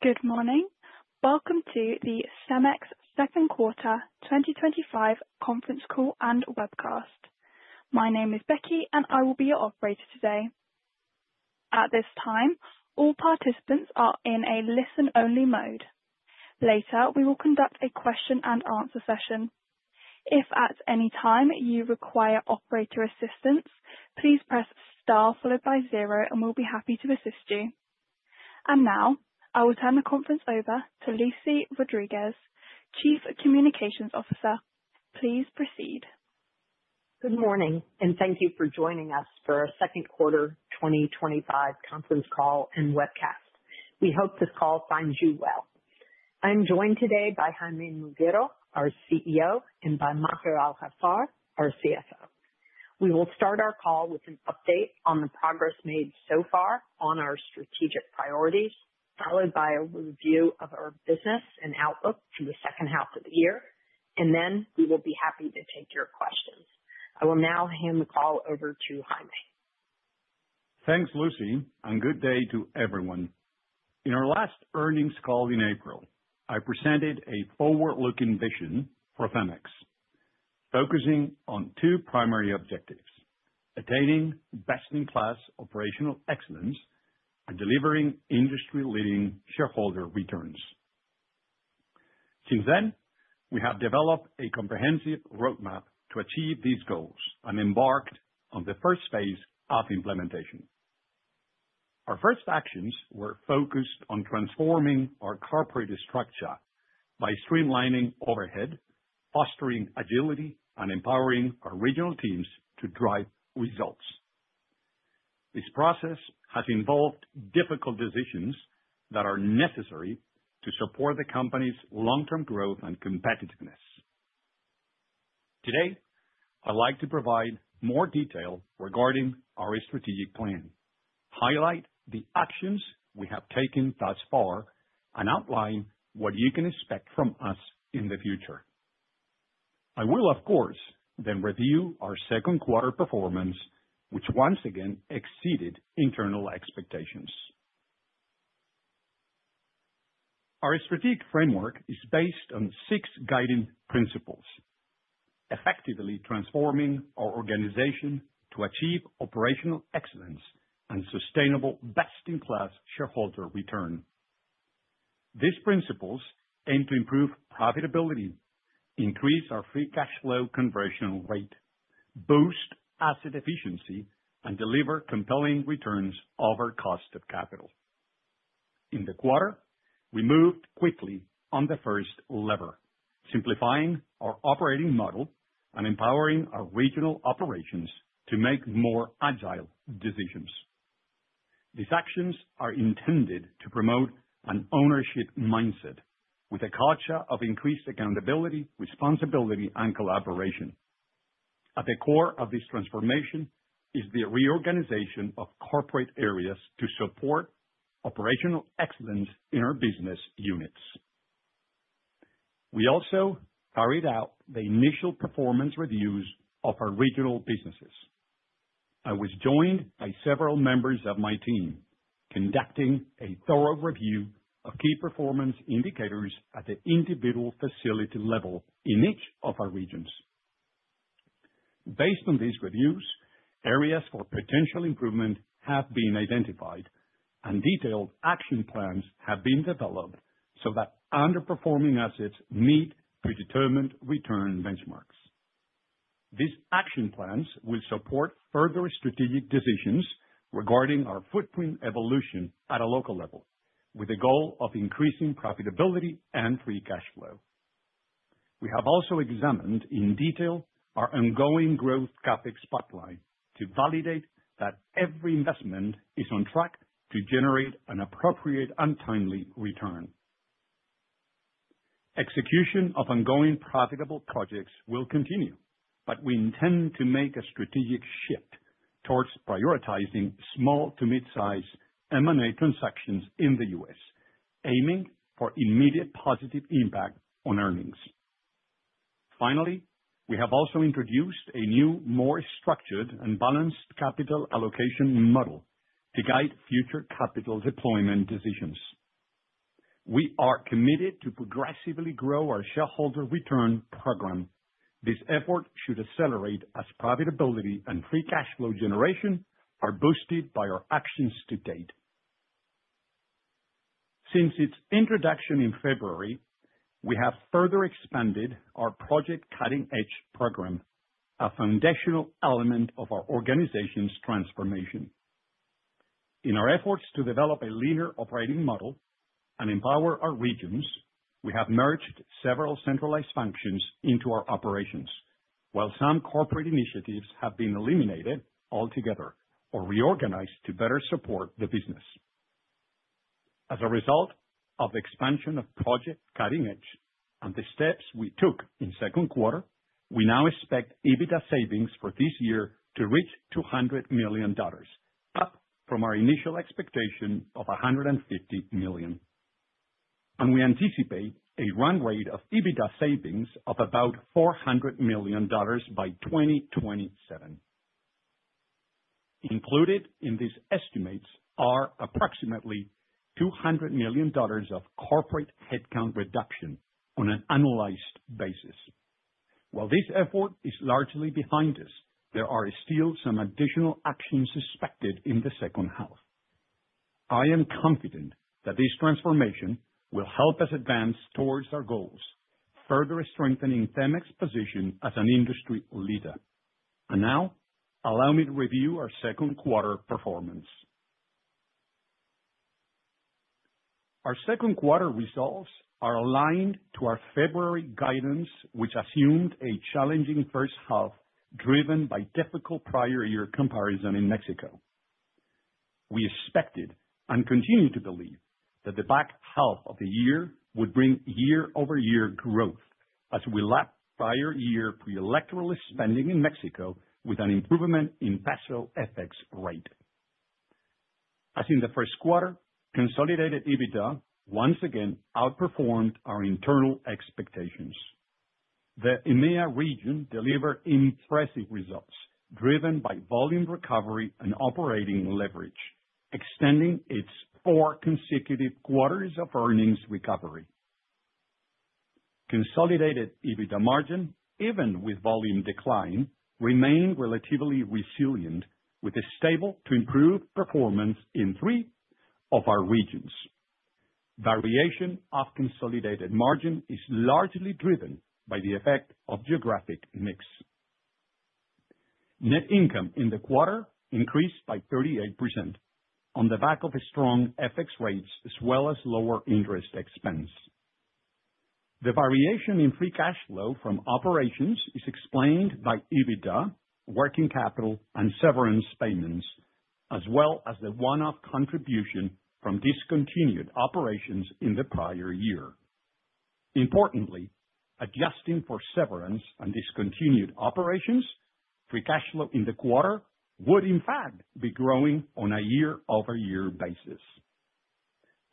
Good morning. Welcome to the CEMEX Second Quarter 2025 Conference Call and Webcast. My name is Becky, and I will be your operator today. At this time, all participants are in a listen-only mode. Later, we will conduct a question-and-answer session. If at any time you require operator assistance, please press star followed by zero, and we'll be happy to assist you. I will turn the conference over to Lucy Rodriguez, Chief Communications Officer. Please proceed. Good morning, and thank you for joining us for our Second Quarter 2025 Conference Call and Webcast. We hope this call finds you well. I'm joined today by Jaime Muguiro, our CEO, and by Maher Al-Haffar, our CFO. We will start our call with an update on the progress made so far on our strategic priorities, followed by a review of our business and outlook for the 2nd half of the year, and then we will be happy to take your questions. I will now hand the call over to Jaime. Thanks, Lucy, and good day to everyone. In our last earnings call in April, I presented a forward-looking vision for CEMEX, focusing on two primary objectives: attaining best-in-class operational excellence and delivering industry-leading shareholder returns. Since then, we have developed a comprehensive roadmap to achieve these goals and embarked on the 1st phase of implementation. Our 1st actions were focused on transforming our corporate structure by streamlining overhead, fostering agility, and empowering our regional teams to drive results. This process has involved difficult decisions that are necessary to support the company's long-term growth and competitiveness. Today, I'd like to provide more detail regarding our strategic plan, highlight the actions we have taken thus far, and outline what you can expect from us in the future. I will, of course, then review our 2nd quarter performance, which once again exceeded internal expectations. Our strategic framework is based on six guiding principles. Effectively transforming our organization to achieve operational excellence and sustainable best-in-class shareholder return. These principles aim to improve profitability, increase our free cash flow conversion rate, boost asset efficiency, and deliver compelling returns over cost of capital. In the quarter, we moved quickly on the first lever, simplifying our operating model and empowering our regional operations to make more agile decisions. These actions are intended to promote an ownership mindset with a culture of increased accountability, responsibility, and collaboration. At the core of this transformation is the reorganization of corporate areas to support operational excellence in our business units. We also carried out the initial performance reviews of our regional businesses. I was joined by several members of my team, conducting a thorough review of key performance indicators at the individual facility level in each of our regions. Based on these reviews, areas for potential improvement have been identified, and detailed action plans have been developed so that underperforming assets meet predetermined return benchmarks. These action plans will support further strategic decisions regarding our footprint evolution at a local level, with the goal of increasing profitability and free cash flow. We have also examined in detail our ongoing growth CapEx pipeline to validate that every investment is on track to generate an appropriate and timely return. Execution of ongoing profitable projects will continue, but we intend to make a strategic shift towards prioritizing small to mid-size M&A transactions in the U.S., aiming for immediate positive impact on earnings. Finally, we have also introduced a new, more structured and balanced capital allocation model to guide future capital deployment decisions. We are committed to progressively grow our shareholder return program. This effort should accelerate as profitability and free cash flow generation are boosted by our actions to date. Since its introduction in February, we have further expanded our project cutting-edge program. A foundational element of our organization's transformation. In our efforts to develop a leaner operating model and empower our regions, we have merged several centralized functions into our operations, while some corporate initiatives have been eliminated altogether or reorganized to better support the business. As a result of the expansion of project cutting-edge and the steps we took in the 2nd quarter, we now expect EBITDA savings for this year to reach $200 million, up from our initial expectation of $150 million. We anticipate a run rate of EBITDA savings of about $400 million by 2027. Included in these estimates are approximately $200 million of corporate headcount reduction on an annualized basis. While this effort is largely behind us, there are still some additional actions expected in the 2nd half. I am confident that this transformation will help us advance towards our goals, further strengthening CEMEX's position as an industry leader. Allow me to review our 2nd quarter performance. Our 2nd quarter results are aligned to our February guidance, which assumed a challenging 1st half driven by difficult prior-year comparison in Mexico. We expected and continue to believe that the back half of the year would bring year-over-year growth as we lapped prior-year pre-electoral spending in Mexico with an improvement in peso FX rate. As in the 1st quarter, consolidated EBITDA once again outperformed our internal expectations. The EMEA region delivered impressive results driven by volume recovery and operating leverage, extending its four consecutive quarters of earnings recovery. Consolidated EBITDA margin, even with volume decline, remained relatively resilient, with a stable to improved performance in three of our regions. Variation of consolidated margin is largely driven by the effect of geographic mix. Net income in the quarter increased by 38% on the back of strong FX rates as well as lower interest expense. The variation in free cash flow from operations is explained by EBITDA, working capital, and severance payments, as well as the one-off contribution from discontinued operations in the prior year. Importantly, adjusting for severance and discontinued operations, free cash flow in the quarter would, in fact, be growing on a year-over-year basis.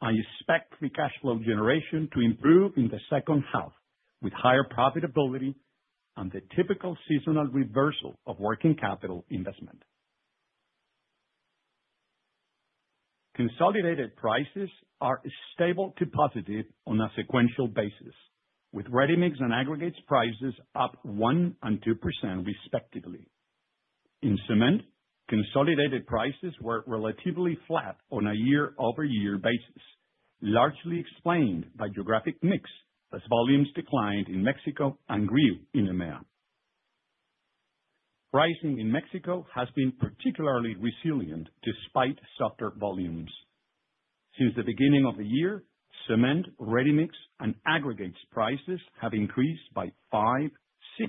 I expect free cash flow generation to improve in the 2nd half, with higher profitability and the typical seasonal reversal of working capital investment. Consolidated prices are stable to positive on a sequential basis, with ready-mix and aggregate prices up 1% and 2% respectively. In cement, consolidated prices were relatively flat on a year-over-year basis, largely explained by geographic mix as volumes declined in Mexico and grew in EMEA. Pricing in Mexico has been particularly resilient despite softer volumes. Since the beginning of the year, cement, ready-mix, and aggregate prices have increased by 5%, 6%,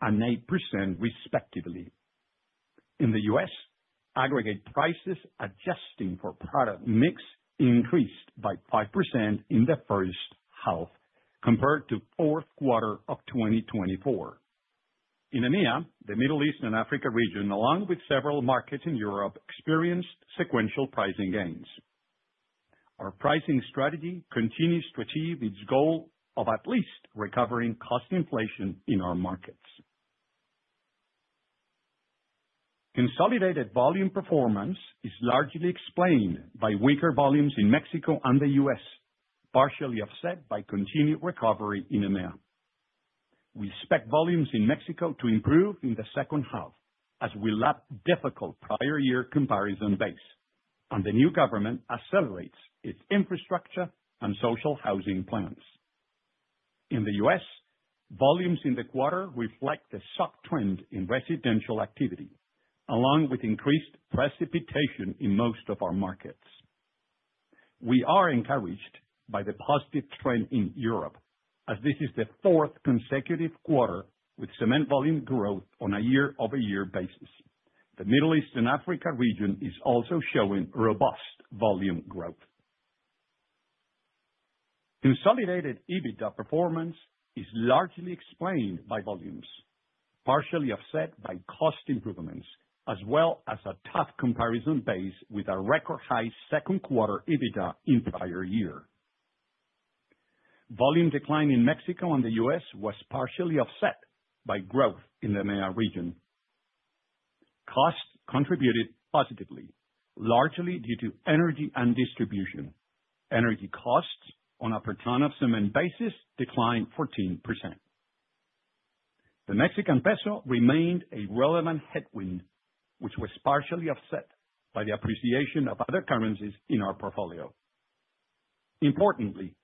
and 8% respectively. In the U.S., aggregate prices adjusting for product mix increased by 5% in the 1st half compared to the 4th quarter of 2024. In EMEA, the Middle East and Africa region, along with several markets in Europe, experienced sequential pricing gains. Our pricing strategy continues to achieve its goal of at least recovering cost inflation in our markets. Consolidated volume performance is largely explained by weaker volumes in Mexico and the U.S., partially offset by continued recovery in EMEA. We expect volumes in Mexico to improve in the second half as we lapped difficult prior-year comparison base, and the new government accelerates its infrastructure and social housing plans. In the U.S., volumes in the quarter reflect a soft trend in residential activity, along with increased precipitation in most of our markets. We are encouraged by the positive trend in Europe, as this is the 4th consecutive quarter with cement volume growth on a year-over-year basis. The Middle East and Africa region is also showing robust volume growth. Consolidated EBITDA performance is largely explained by volumes, partially offset by cost improvements, as well as a tough comparison base with a record-high second quarter EBITDA in the prior year. Volume decline in Mexico and the U.S. was partially offset by growth in the EMEA region. Cost contributed positively, largely due to energy and distribution. Energy costs on a per ton of cement basis declined 14%. The Mexican peso remained a relevant headwind, which was partially offset by the appreciation of other currencies in our portfolio. Importantly,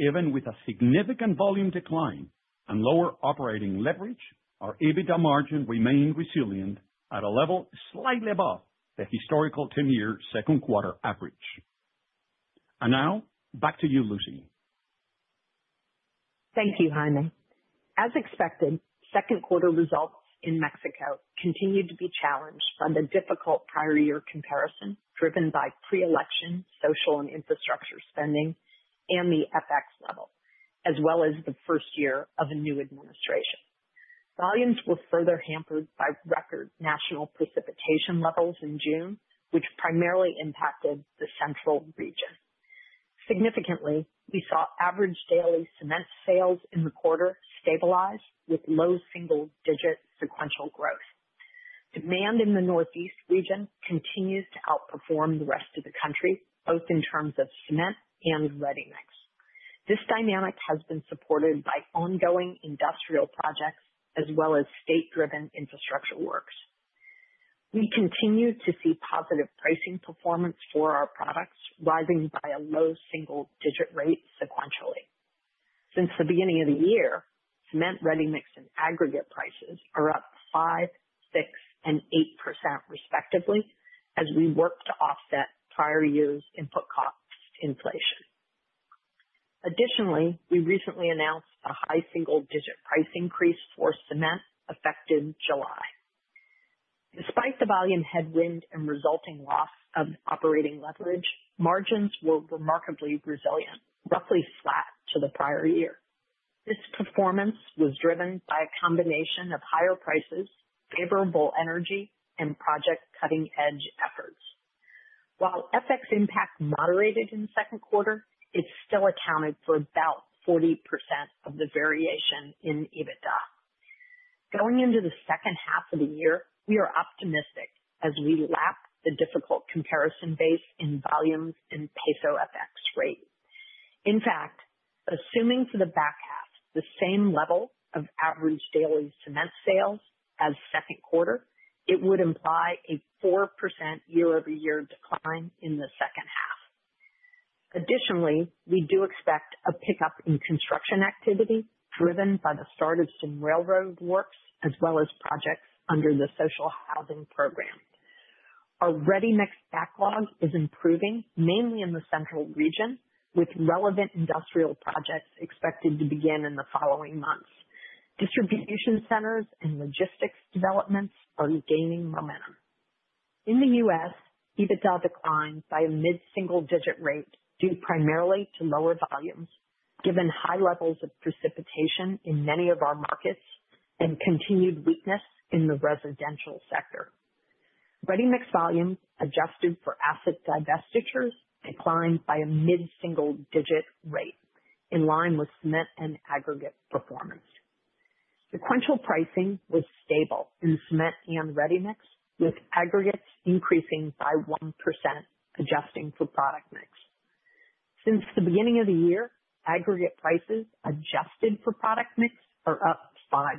even with a significant volume decline and lower operating leverage, our EBITDA margin remained resilient at a level slightly above the historical 10-year second quarter average. Now, back to you, Lucy. Thank you, Jaime. As expected, 2nd quarter results in Mexico continued to be challenged by the difficult prior-year comparison driven by pre-election social and infrastructure spending and the FX level, as well as the first year of a new administration. Volumes were further hampered by record national precipitation levels in June, which primarily impacted the central region. Significantly, we saw average daily cement sales in the quarter stabilize with low single-digit sequential growth. Demand in the Northeast region continues to outperform the rest of the country, both in terms of cement and ready-mix. This dynamic has been supported by ongoing industrial projects as well as state-driven infrastructure works. We continue to see positive pricing performance for our products, rising by a low single-digit rate sequentially. Since the beginning of the year, cement, ready-mix, and aggregate prices are up 5%, 6%, and 8% respectively as we work to offset prior year's input cost inflation. Additionally, we recently announced a high single-digit price increase for cement effective July. Despite the volume headwind and resulting loss of operating leverage, margins were remarkably resilient, roughly flat to the prior year. This performance was driven by a combination of higher prices, favorable energy, and project cutting-edge efforts. While FX impact moderated in the 2nd quarter, it still accounted for about 40% of the variation in EBITDA. Going into the 2nd half of the year, we are optimistic as we lapped the difficult comparison base in volumes and peso FX rate. In fact, assuming for the back half the same level of average daily cement sales as 2nd quarter, it would imply a 4% year-over-year decline in the 2nd half. Additionally, we do expect a pickup in construction activity driven by the start of some railroad works as well as projects under the social housing program. Our ready-mix backlog is improving, mainly in the central region, with relevant industrial projects expected to begin in the following months. Distribution centers and logistics developments are gaining momentum. In the U.S., EBITDA declined by a mid-single-digit rate due primarily to lower volumes, given high levels of precipitation in many of our markets and continued weakness in the residential sector. Ready-mix volume, adjusted for asset divestitures, declined by a mid-single-digit rate, in line with cement and aggregate performance. Sequential pricing was stable in cement and ready-mix, with aggregates increasing by 1%, adjusting for product mix. Since the beginning of the year, aggregate prices adjusted for product mix are up 5%.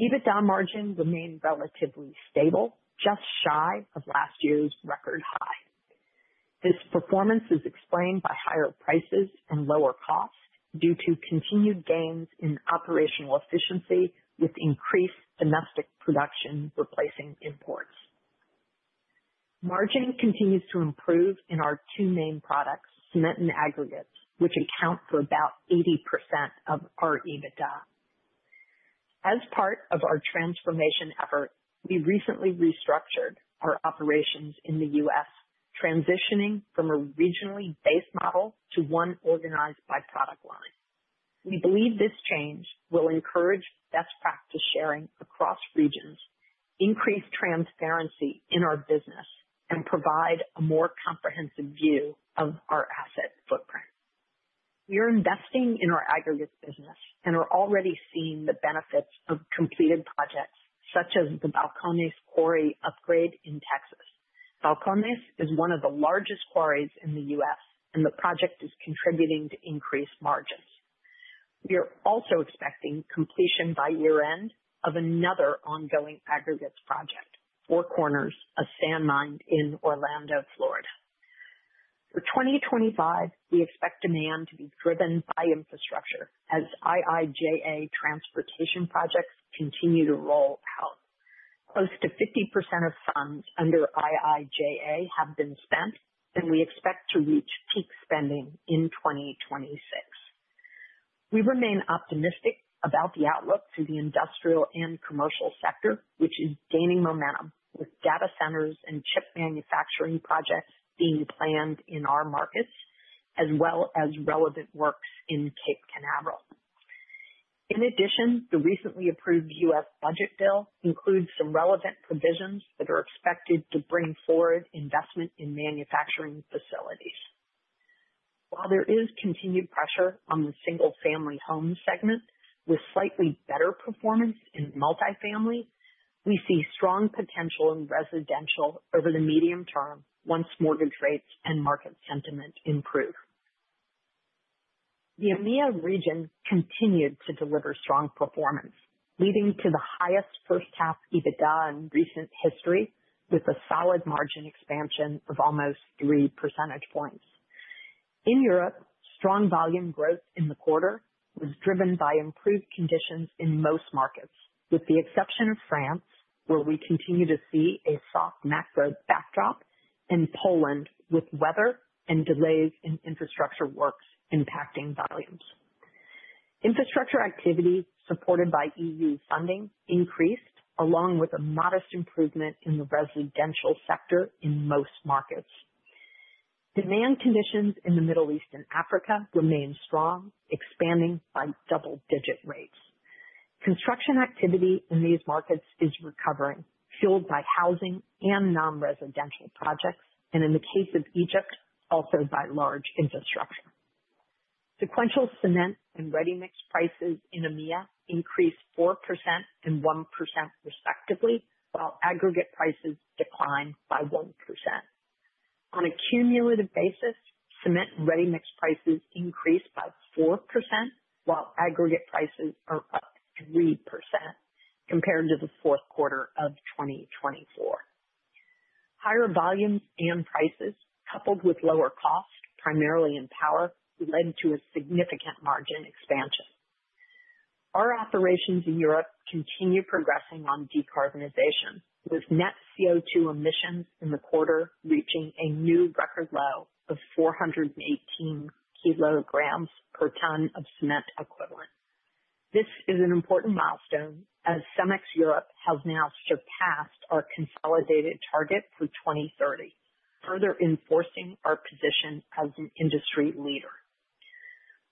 EBITDA margin remained relatively stable, just shy of last year's record high. This performance is explained by higher prices and lower costs due to continued gains in operational efficiency, with increased domestic production replacing imports. Margin continues to improve in our two main products, cement and aggregate, which account for about 80% of our EBITDA. As part of our transformation effort, we recently restructured our operations in the U.S., transitioning from a regionally based model to one organized by product line. We believe this change will encourage best practice sharing across regions, increase transparency in our business, and provide a more comprehensive view of our asset footprint. We are investing in our aggregates business and are already seeing the benefits of completed projects such as the Balcones Quarry upgrade in Texas. Balcones is one of the largest quarries in the U.S., and the project is contributing to increased margins. We are also expecting completion by year-end of another ongoing aggregates project, Four Corners, a sand mine in Orlando, Florida. For 2025, we expect demand to be driven by infrastructure as IIJA transportation projects continue to roll out. Close to 50% of funds under IIJA have been spent, and we expect to reach peak spending in 2026. We remain optimistic about the outlook for the industrial and commercial sector, which is gaining momentum, with data centers and chip manufacturing projects being planned in our markets, as well as relevant works in Cape Canaveral. In addition, the recently approved U.S. budget bill includes some relevant provisions that are expected to bring forward investment in manufacturing facilities. While there is continued pressure on the single-family home segment, with slightly better performance in multifamily, we see strong potential in residential over the medium term once mortgage rates and market sentiment improve. The EMEA region continued to deliver strong performance, leading to the highest 1st half EBITDA in recent history, with a solid margin expansion of almost 3 percentage points. In Europe, strong volume growth in the quarter was driven by improved conditions in most markets, with the exception of France, where we continue to see a soft macro backdrop, and Poland, with weather and delays in infrastructure works impacting volumes. Infrastructure activity, supported by EU funding, increased, along with a modest improvement in the residential sector in most markets. Demand conditions in the Middle East and Africa remain strong, expanding by double-digit rates. Construction activity in these markets is recovering, fueled by housing and non-residential projects, and in the case of Egypt, also by large infrastructure. Sequential cement and ready-mix prices in EMEA increased 4% and 1% respectively, while aggregates prices declined by 1%. On a cumulative basis, cement and ready-mix prices increased by 4%, while aggregates prices are up 3% compared to the 4th quarter of 2024. Higher volumes and prices, coupled with lower costs, primarily in power, led to a significant margin expansion. Our operations in Europe continue progressing on decarbonization, with net CO2 emissions in the quarter reaching a new record low of 418 kg per ton of cement equivalent. This is an important milestone as CEMEX Europe has now surpassed our consolidated target for 2030, further enforcing our position as an industry leader.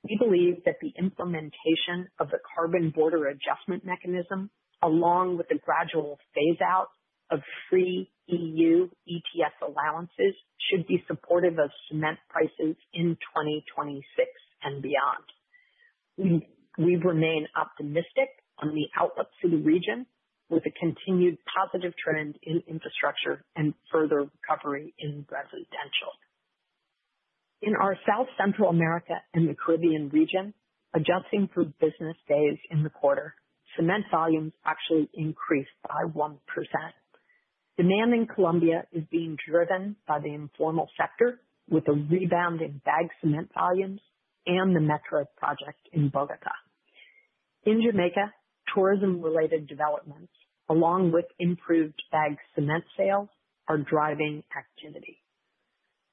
We believe that the implementation of the carbon border adjustment mechanism, along with the gradual phase-out of free EU ETS allowances, should be supportive of cement prices in 2026 and beyond. We remain optimistic on the outlook for the region, with a continued positive trend in infrastructure and further recovery in residential. In our South Central America and the Caribbean region, adjusting for business days in the quarter, cement volumes actually increased by 1%. Demand in Colombia is being driven by the informal sector, with a rebound in bagged cement volumes and the Metro project in Bogotá. In Jamaica, tourism-related developments, along with improved bagged cement sales, are driving activity.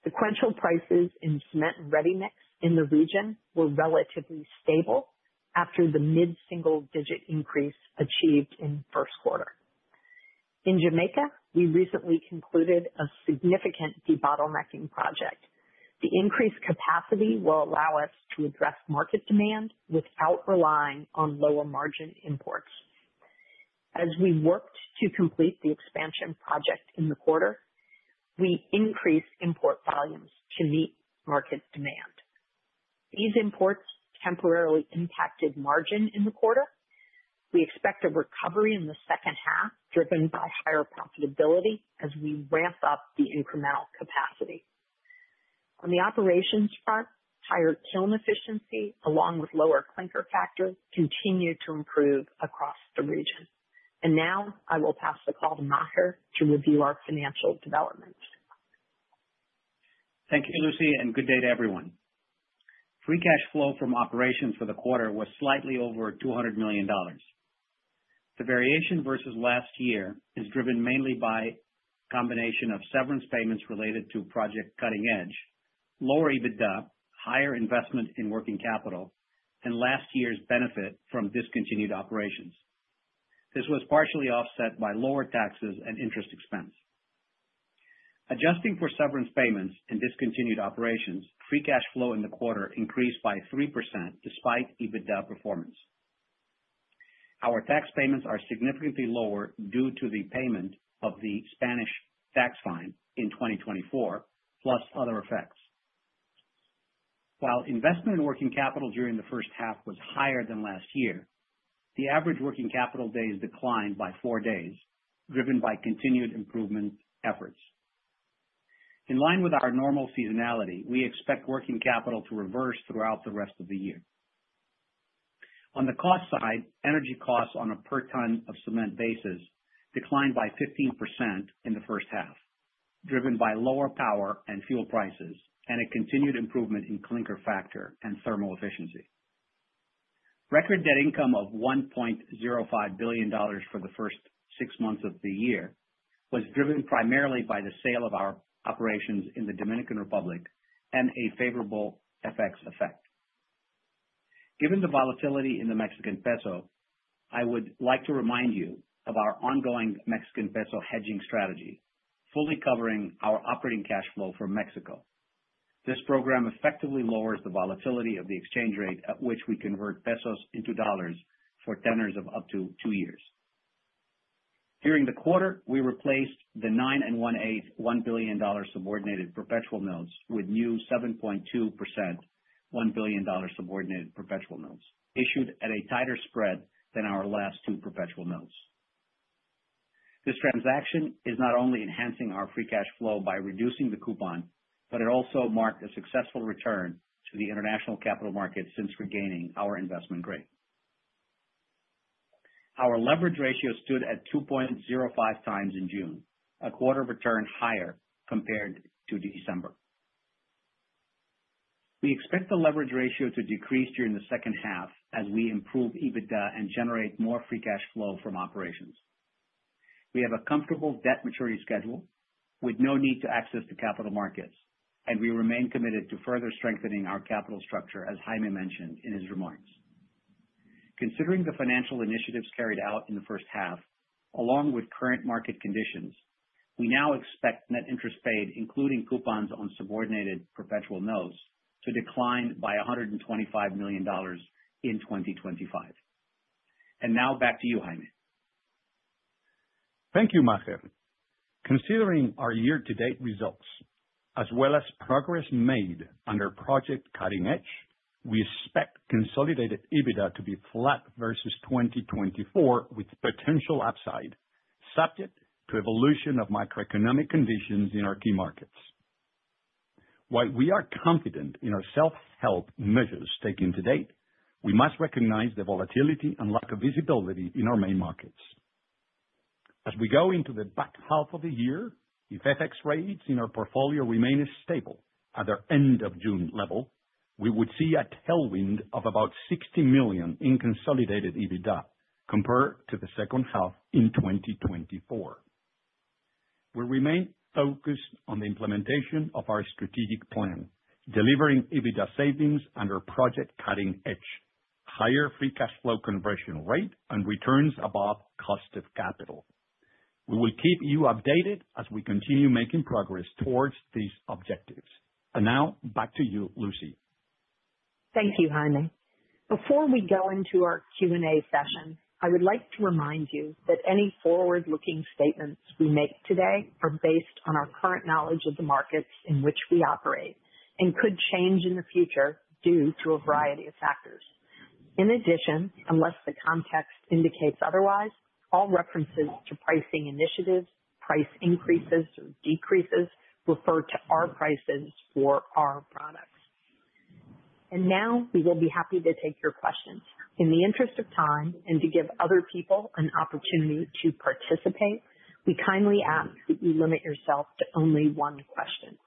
Sequential prices in cement and ready-mix in the region were relatively stable after the mid-single-digit increase achieved in the 1st quarter. In Jamaica, we recently concluded a significant debottlenecking project. The increased capacity will allow us to address market demand without relying on lower margin imports. As we worked to complete the expansion project in the quarter, we increased import volumes to meet market demand. These imports temporarily impacted margin in the quarter. We expect a recovery in the second half driven by higher profitability as we ramp up the incremental capacity. On the operations front, higher kiln efficiency, along with lower clinker factor, continue to improve across the region. I will pass the call to Maher to review our financial developments. Thank you, Lucy, and good day to everyone. Free cash flow from operations for the quarter was slightly over $200 million. The variation versus last year is driven mainly by a combination of severance payments related to project Cutting Edge, lower EBITDA, higher investment in working capital, and last year's benefit from discontinued operations. This was partially offset by lower taxes and interest expense. Adjusting for severance payments and discontinued operations, free cash flow in the quarter increased by 3% despite EBITDA performance. Our tax payments are significantly lower due to the payment of the Spanish tax fine in 2024, plus other effects. While investment in working capital during the 1st half was higher than last year, the average working capital days declined by four days, driven by continued improvement efforts. In line with our normal seasonality, we expect working capital to reverse throughout the rest of the year. On the cost side, energy costs on a per ton of cement basis declined by 15% in the first half, driven by lower power and fuel prices and a continued improvement in clinker factor and thermal efficiency. Record debt income of $1.05 billion for the first six months of the year was driven primarily by the sale of our operations in the Dominican Republic and a favorable FX effect. Given the volatility in the Mexican peso, I would like to remind you of our ongoing Mexican peso hedging strategy, fully covering our operating cash flow from Mexico. This program effectively lowers the volatility of the exchange rate at which we convert pesos into dollars for tenors of up to two years. During the quarter, we replaced the 9 and 1/8% $1 billion subordinated perpetual notes with new 7.2% $1 billion subordinated perpetual notes, issued at a tighter spread than our last two perpetual notes. This transaction is not only enhancing our free cash flow by reducing the coupon, but it also marked a successful return to the international capital markets since regaining our investment grade. Our leverage ratio stood at 2.05 times in June, a quarter return higher compared to December. We expect the leverage ratio to decrease during the 2nd half as we improve EBITDA and generate more free cash flow from operations. We have a comfortable debt maturity schedule with no need to access the capital markets, and we remain committed to further strengthening our capital structure, as Jaime mentioned in his remarks. Considering the financial initiatives carried out in the 1st half, along with current market conditions, we now expect net interest paid, including coupons on subordinated perpetual notes, to decline by $125 million in 2025. Now, back to you, Jaime. Thank you, Maher. Considering our year-to-date results, as well as progress made under project Cutting Edge, we expect consolidated EBITDA to be flat versus 2024, with potential upside, subject to evolution of macroeconomic conditions in our key markets. While we are confident in our self-help measures taken to date, we must recognize the volatility and lack of visibility in our main markets. As we go into the back half of the year, if FX rates in our portfolio remain stable at their end-of-June level, we would see a tailwind of about $60 million in consolidated EBITDA compared to the 2nd half in 2024. We remain focused on the implementation of our strategic plan, delivering EBITDA savings under project Cutting Edge, higher free cash flow conversion rate, and returns above cost of capital. We will keep you updated as we continue making progress towards these objectives. Now, back to you, Lucy. Thank you, Jaime. Before we go into our Q&A session, I would like to remind you that any forward-looking statements we make today are based on our current knowledge of the markets in which we operate and could change in the future due to a variety of factors. In addition, unless the context indicates otherwise, all references to pricing initiatives, price increases, or decreases refer to our prices for our products. We will be happy to take your questions. In the interest of time and to give other people an opportunity to participate, we kindly ask that you limit yourself to only one question.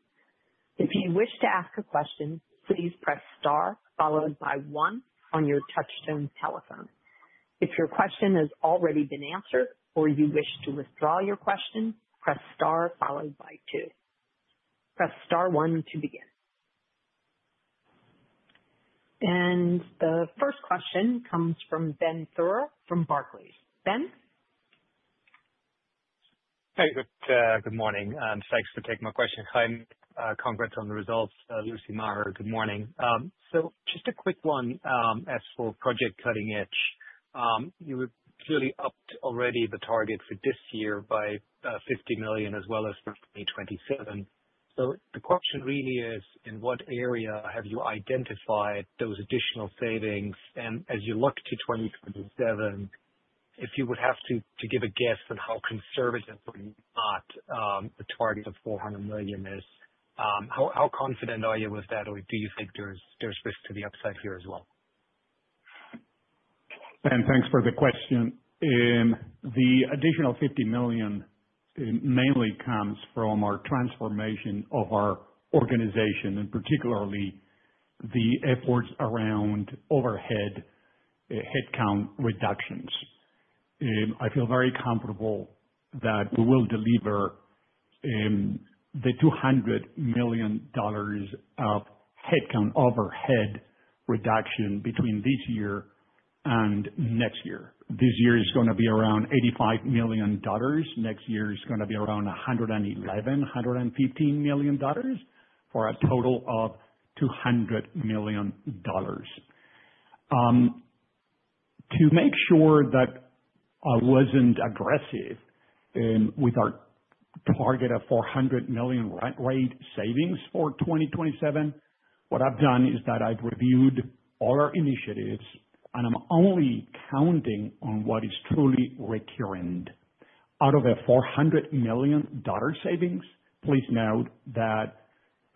If you wish to ask a question, please press star followed by one on your touchstone telephone. If your question has already been answered or you wish to withdraw your question, press star followed by two. Press star one to begin. The 1st question comes from Ben Theurer from Barclays. Ben. Hey, good morning. Thanks for taking my question, Jaime. Congrats on the results, Lucy, Maher, good morning. Just a quick one as for project Cutting Edge. You clearly upped already the target for this year by $50 million as well as for 2027. The question really is, in what area have you identified those additional savings? As you look to 2027, if you would have to give a guess on how conservative or not the target of $400 million is, how confident are you with that, or do you think there's risk to the upside here as well? Thanks for the question. The additional $50 million mainly comes from our transformation of our organization, and particularly the efforts around overhead, headcount reductions. I feel very comfortable that we will deliver the $200 million of headcount overhead reduction between this year and next year. This year is going to be around $85 million. Next year is going to be around $111-$115 million for a total of $200 million. To make sure that I was not aggressive with our target of $400 million rate savings for 2027, what I have done is that I have reviewed all our initiatives, and I am only counting on what is truly recurrent. Out of our $400 million savings, please note that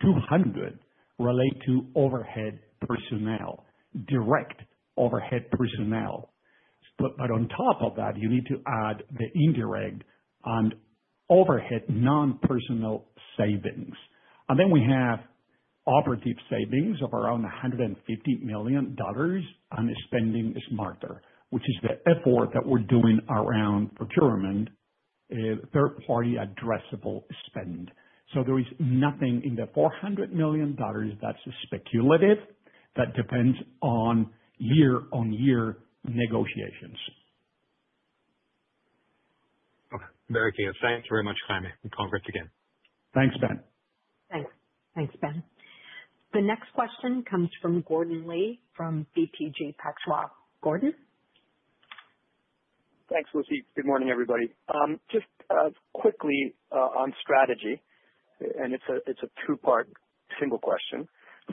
$200 million relates to overhead personnel, direct overhead personnel. On top of that, you need to add the indirect and overhead non-personnel savings. We have operative savings of around $150 million, and spending smarter, which is the effort that we are doing around procurement, third-party addressable spend. There is nothing in the $400 million that is speculative, that depends on year-on-year negotiations. Okay. Very clear. Thanks very much, Jaime. Congrats again. Thanks, Ben. Thanks, Ben. The next question comes from Gordon Lee from BTG Pactual. Gordon. Thanks, Lucy. Good morning, everybody. Just quickly on strategy, and it's a two-part single question,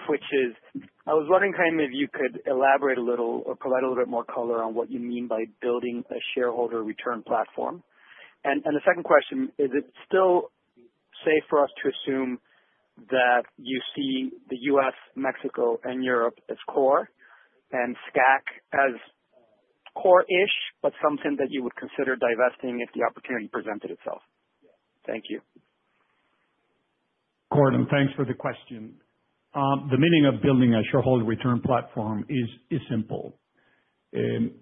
which is, I was wondering kind of if you could elaborate a little or provide a little bit more color on what you mean by building a shareholder return platform. The 2nd question, is it still safe for us to assume that you see the U.S., Mexico, and Europe as core and SCAC as core-ish, but something that you would consider divesting if the opportunity presented itself? Thank you. Gordon, thanks for the question. The meaning of building a shareholder return platform is simple. It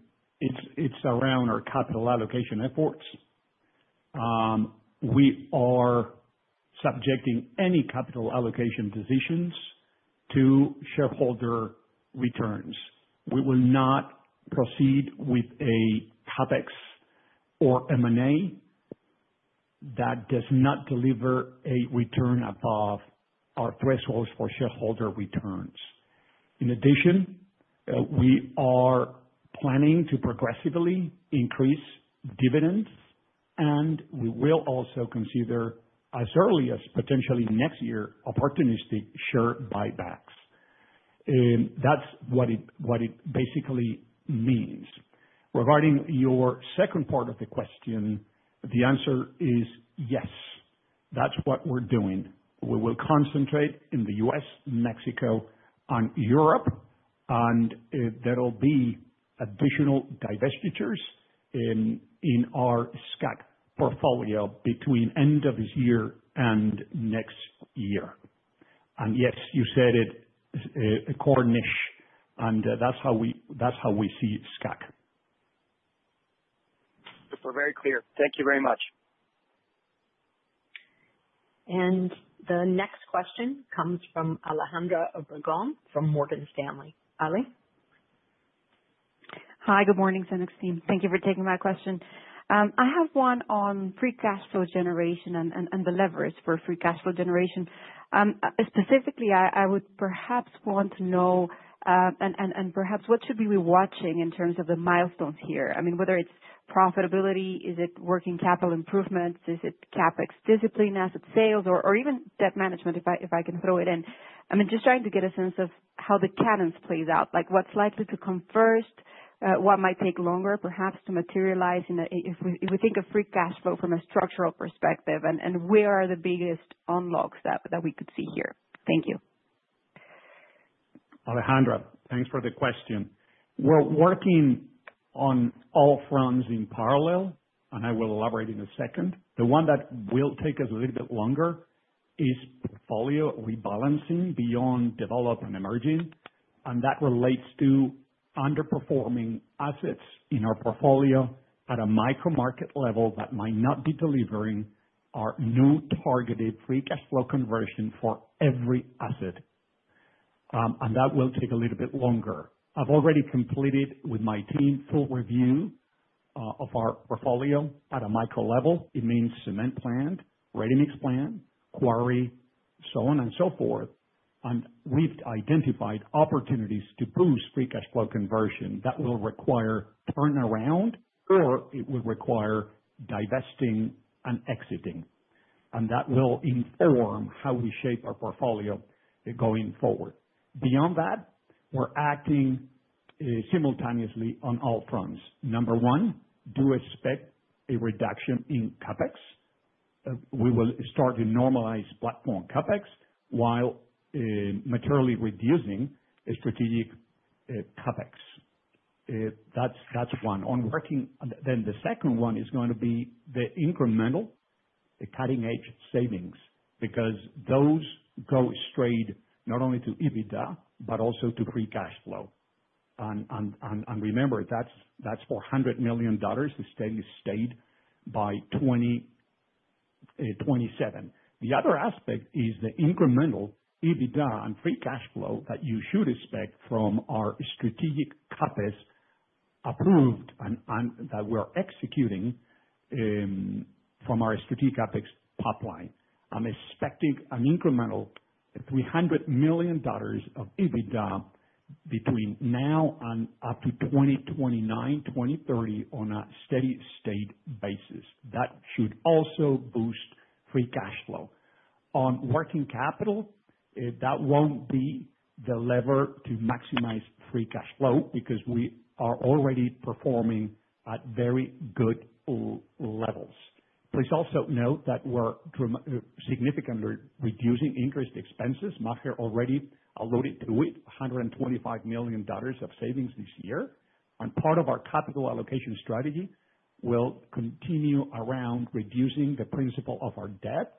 is around our capital allocation efforts. We are subjecting any capital allocation positions to shareholder returns. We will not proceed with a CapEx or M&A that does not deliver a return above our thresholds for shareholder returns. In addition, we are planning to progressively increase dividends, and we will also consider, as early as potentially next year, opportunistic share buybacks. That is what it basically means. Regarding your 2nd part of the question, the answer is yes. That is what we are doing. We will concentrate in the U.S., Mexico, and Europe, and there will be additional divestitures in our SCAC portfolio between the end of this year and next year. And yes, you said it, core-ish, and that is how we see SCAC. Just so very clear. Thank you very much. The next question comes from Alejandra Obregón from Morgan Stanley. Ali. Hi, good morning, CEMEX team. Thank you for taking my question. I have one on free cash flow generation and the leverage for free cash flow generation. Specifically, I would perhaps want to know, and perhaps what should we be watching in terms of the milestones here? I mean, whether it's profitability, is it working capital improvements, is it CapEx discipline, asset sales, or even debt management, if I can throw it in? I mean, just trying to get a sense of how the cadence plays out. What's likely to come 1st? What might take longer, perhaps, to materialize if we think of free cash flow from a structural perspective, and where are the biggest unlocks that we could see here? Thank you. Alejandra, thanks for the question. We're working on all fronts in parallel, and I will elaborate in a 2nd. The one that will take us a little bit longer is portfolio rebalancing beyond developed and emerging, and that relates to underperforming assets in our portfolio at a micro-market level that might not be delivering our new targeted free cash flow conversion for every asset. That will take a little bit longer. I've already completed with my team full review of our portfolio at a micro level. It means cement plant, ready-mix plant, quarry, so on and so forth. We've identified opportunities to boost free cash flow conversion that will require turnaround, or it will require divesting and exiting. That will inform how we shape our portfolio going forward. Beyond that, we're acting simultaneously on all fronts. Number one, do expect a reduction in CapEx. We will start to normalize platform CapEx while materially reducing strategic CapEx. That's one. The 2nd one is going to be the incremental cutting-edge savings because those go straight not only to EBITDA but also to free cash flow. Remember, that's $400 million that's going to stay by 2027. The other aspect is the incremental EBITDA and free cash flow that you should expect from our strategic CapEx approved and that we're executing from our strategic CapEx pipeline. I'm expecting an incremental $300 million of EBITDA between now and up to 2029, 2030 on a steady-state basis. That should also boost free cash flow. On working capital, that won't be the lever to maximize free cash flow because we are already performing at very good levels. Please also note that we're significantly reducing interest expenses. Maher already alluded to it, $125 million of savings this year. Part of our capital allocation strategy will continue around reducing the principal of our debt.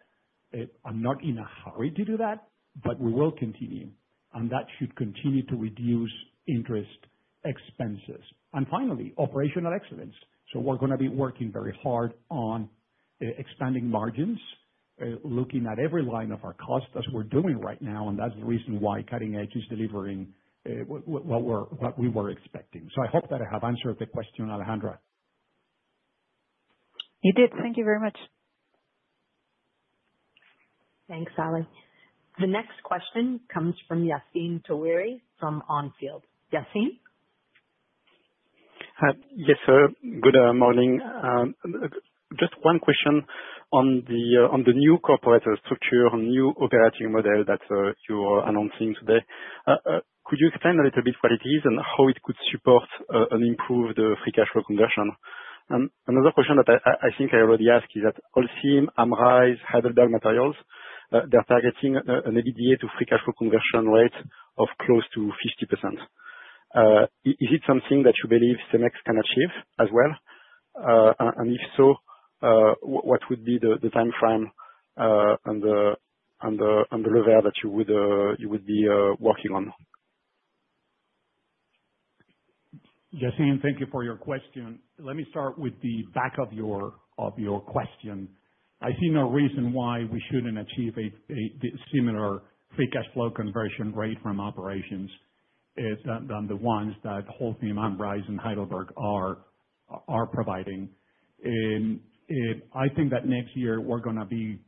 I'm not in a hurry to do that, but we will continue. That should continue to reduce interest expenses. Finally, operational excellence. We're going to be working very hard on expanding margins, looking at every line of our cost as we're doing right now, and that's the reason why cutting edge is delivering what we were expecting. I hope that I have answered the question, Alejandra. You did. Thank you very much. Thanks, Ali. The next question comes from Yassine Touahri from On Field. Yassine? Yes, sir. Good morning. Just one question on the new corporate structure and new operating model that you're announcing today. Could you explain a little bit what it is and how it could support an improved free cash flow conversion? Another question that I think I already asked is that Holcim, Ambuja, Heidelberg Materials, they're targeting an EBITDA to free cash flow conversion rate of close to 50%. Is it something that you believe CEMEX can achieve as well? If so, what would be the timeframe and the level that you would be working on? Yaseen, thank you for your question. Let me start with the back of your question. I see no reason why we shouldn't achieve a similar free cash flow conversion rate from operations than the ones that Holcim, Amrise, and Heidelberg are providing. I think that next year, we're going to be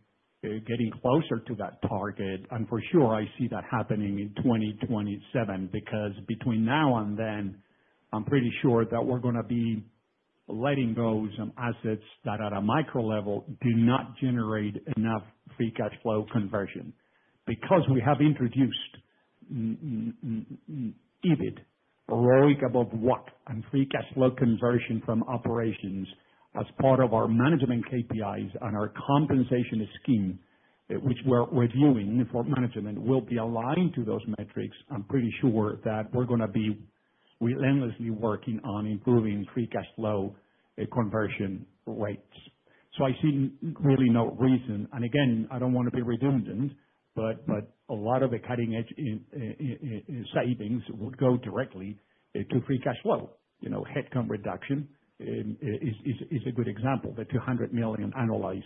getting closer to that target. For sure, I see that happening in 2027 because between now and then, I'm pretty sure that we're going to be letting go of some assets that at a micro level do not generate enough free cash flow conversion. Because we have introduced EBIT, Earliq Above What, and free cash flow conversion from operations as part of our management KPIs and our compensation scheme, which we're reviewing for management, will be aligned to those metrics, I'm pretty sure that we're going to be relentlessly working on improving free cash flow conversion rates. I see really no reason. Again, I don't want to be redundant, but a lot of the cutting-edge savings would go directly to free cash flow. Headcount reduction is a good example, the $200 million annualized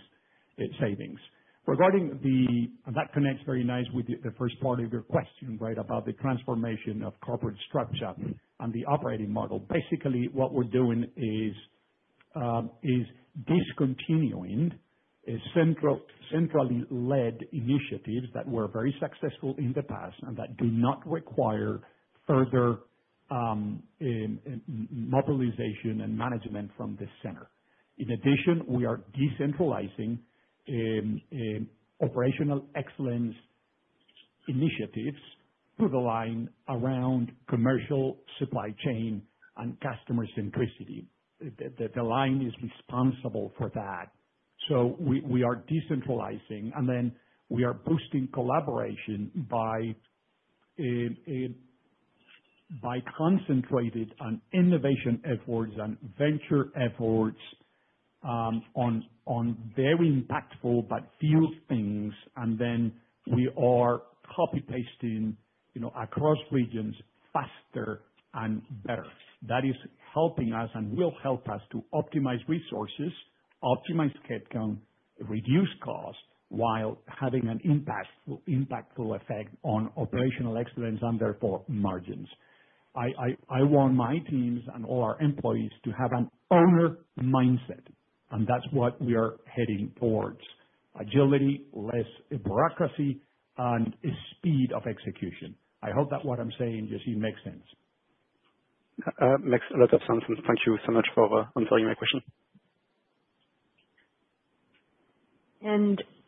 savings. That connects very nice with the 1st part of your question, right, about the transformation of corporate structure and the operating model. Basically, what we're doing is discontinuing central-led initiatives that were very successful in the past and that do not require further mobilization and management from the center. In addition, we are decentralizing operational excellence initiatives to the line around commercial supply chain and customer centricity. The line is responsible for that. We are decentralizing, and then we are boosting collaboration by concentrating on innovation efforts and venture efforts on very impactful but few things, and then we are copy-pasting across regions faster and better. That is helping us and will help us to optimize resources, optimize headcount, reduce cost while having an impactful effect on operational excellence and therefore margins. I want my teams and all our employees to have an owner mindset, and that's what we are heading towards: agility, less bureaucracy, and speed of execution. I hope that what I'm saying, Yassine, makes sense. Makes a lot of sense. Thank you so much for answering my question.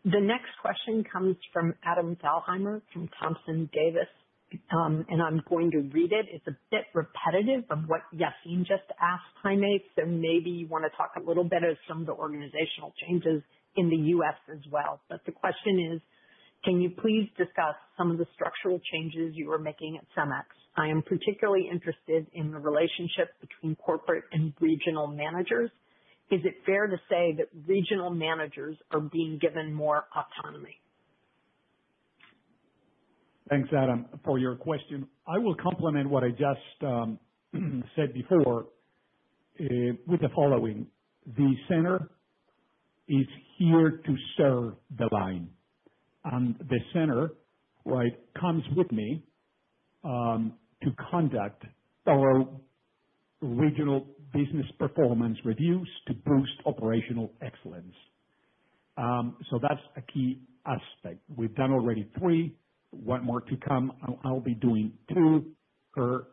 The next question comes from Adam Thalhimer from Thomson Davis. I'm going to read it. It's a bit repetitive of what Yassine just asked, Jaime, so maybe you want to talk a little bit of some of the organizational changes in the US as well. The question is, can you please discuss some of the structural changes you are making at CEMEX? I am particularly interested in the relationship between corporate and regional managers. Is it fair to say that regional managers are being given more autonomy? Thanks, Adam, for your question. I will complement what I just said before with the following. The center is here to serve the line, and the center comes with me to conduct thorough regional business performance reviews to boost operational excellence. That is a key aspect. We have done already three, one more to come. I will be doing two per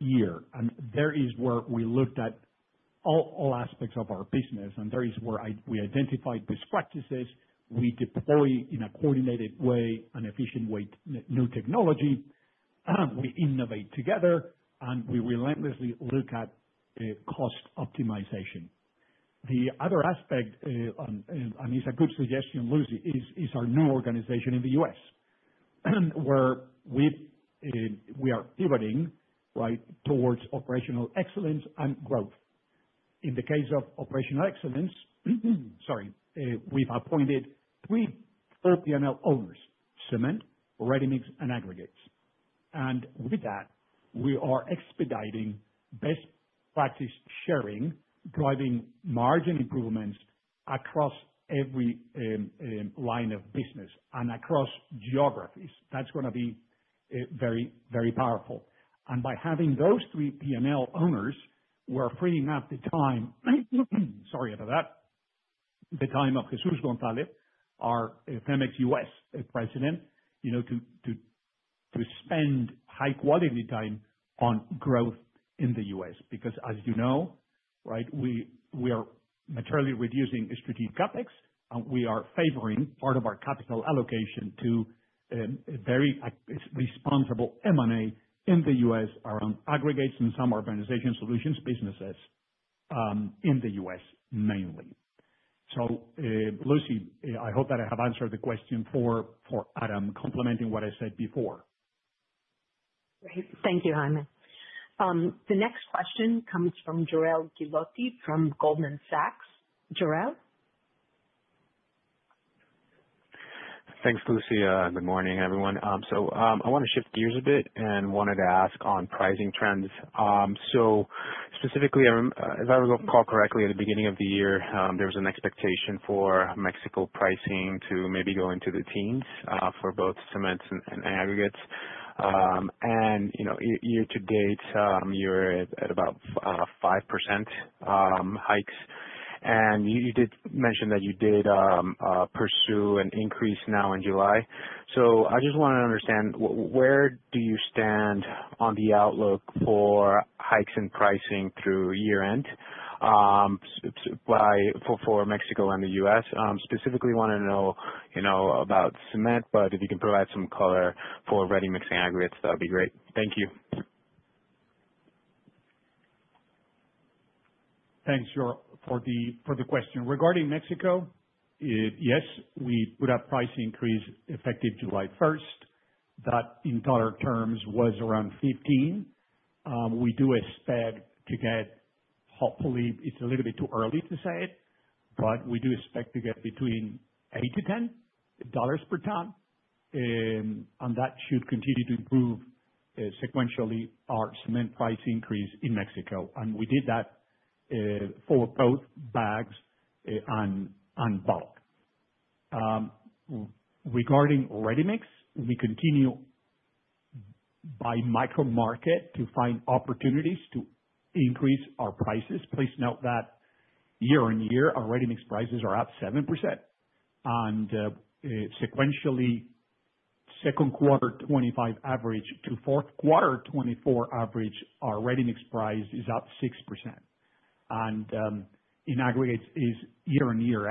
year, and there is where we looked at all aspects of our business, and there is where we identified best practices. We deploy in a coordinated way, an efficient way, new technology. We innovate together, and we relentlessly look at cost optimization. The other aspect, and it is a good suggestion, Lucy, is our new organization in the U.S., where we are pivoting towards operational excellence and growth. In the case of operational excellence, sorry, we have appointed three full P&L owners: cement, ready-mix, and aggregates. With that, we are expediting best practice sharing, driving margin improvements across every line of business and across geographies. That is going to be very, very powerful. By having those three P&L owners, we are freeing up the time—sorry about that—the time of Jesús González, our CEMEX U.S. President, to spend high-quality time on growth in the U.S.. Because, as you know, we are materially reducing strategic CapEx, and we are favoring part of our capital allocation to very responsible M&A in the U.S. around aggregates and some organization solutions businesses in the U.S. mainly. Lucy, I hope that I have answered the question for Adam, complementing what I said before. Great. Thank you, Jaime. The next question comes from Jorel Guilloty from Goldman Sachs. Joel? Thanks, Lucy. Good morning, everyone. I want to shift gears a bit and wanted to ask on pricing trends. Specifically, if I recall correctly, at the beginning of the year, there was an expectation for Mexico pricing to maybe go into the teens for both cement and aggregates. Year to date, you're at about 5% hikes. You did mention that you did pursue an increase now in July. I just want to understand, where do you stand on the outlook for hikes in pricing through year-end for Mexico and the U.S.? Specifically, I want to know about cement, but if you can provide some color for ready-mix and aggregates, that would be great. Thank you. Thanks, Joel, for the question. Regarding Mexico. Yes, we put up price increase effective July 1st. That in dollar terms was around 15. We do expect to get—hopefully, it's a little bit too early to say it—but we do expect to get between $8-$10 per ton. That should continue to improve sequentially our cement price increase in Mexico. We did that for both bags and bulk. Regarding ready-mix, we continue by micro market to find opportunities to increase our prices. Please note that year-on-year, our ready-mix prices are up 7%. Sequentially, 2nd quarter 2025 average to 4th quarter 2024 average, our ready-mix price is up 6%. In aggregates, it is year-on-year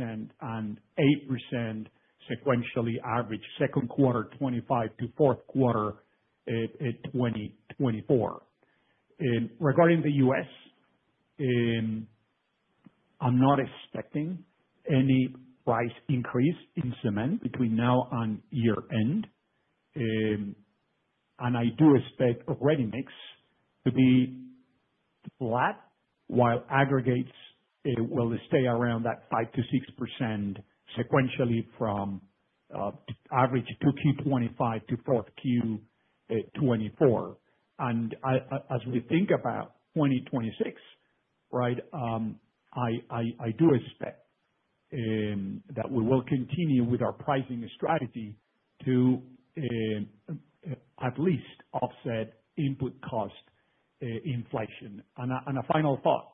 8% and 8% sequentially average 2nd quarter 2025 to 4th quarter 2024. Regarding the U.S., I'm not expecting any price increase in cement between now and year-end. I do expect ready-mix to be flat, while aggregates will stay around that 5%-6% sequentially from average 2Q25 to 4Q24. As we think about 2026, I do expect that we will continue with our pricing strategy to at least offset input cost inflation. A final thought.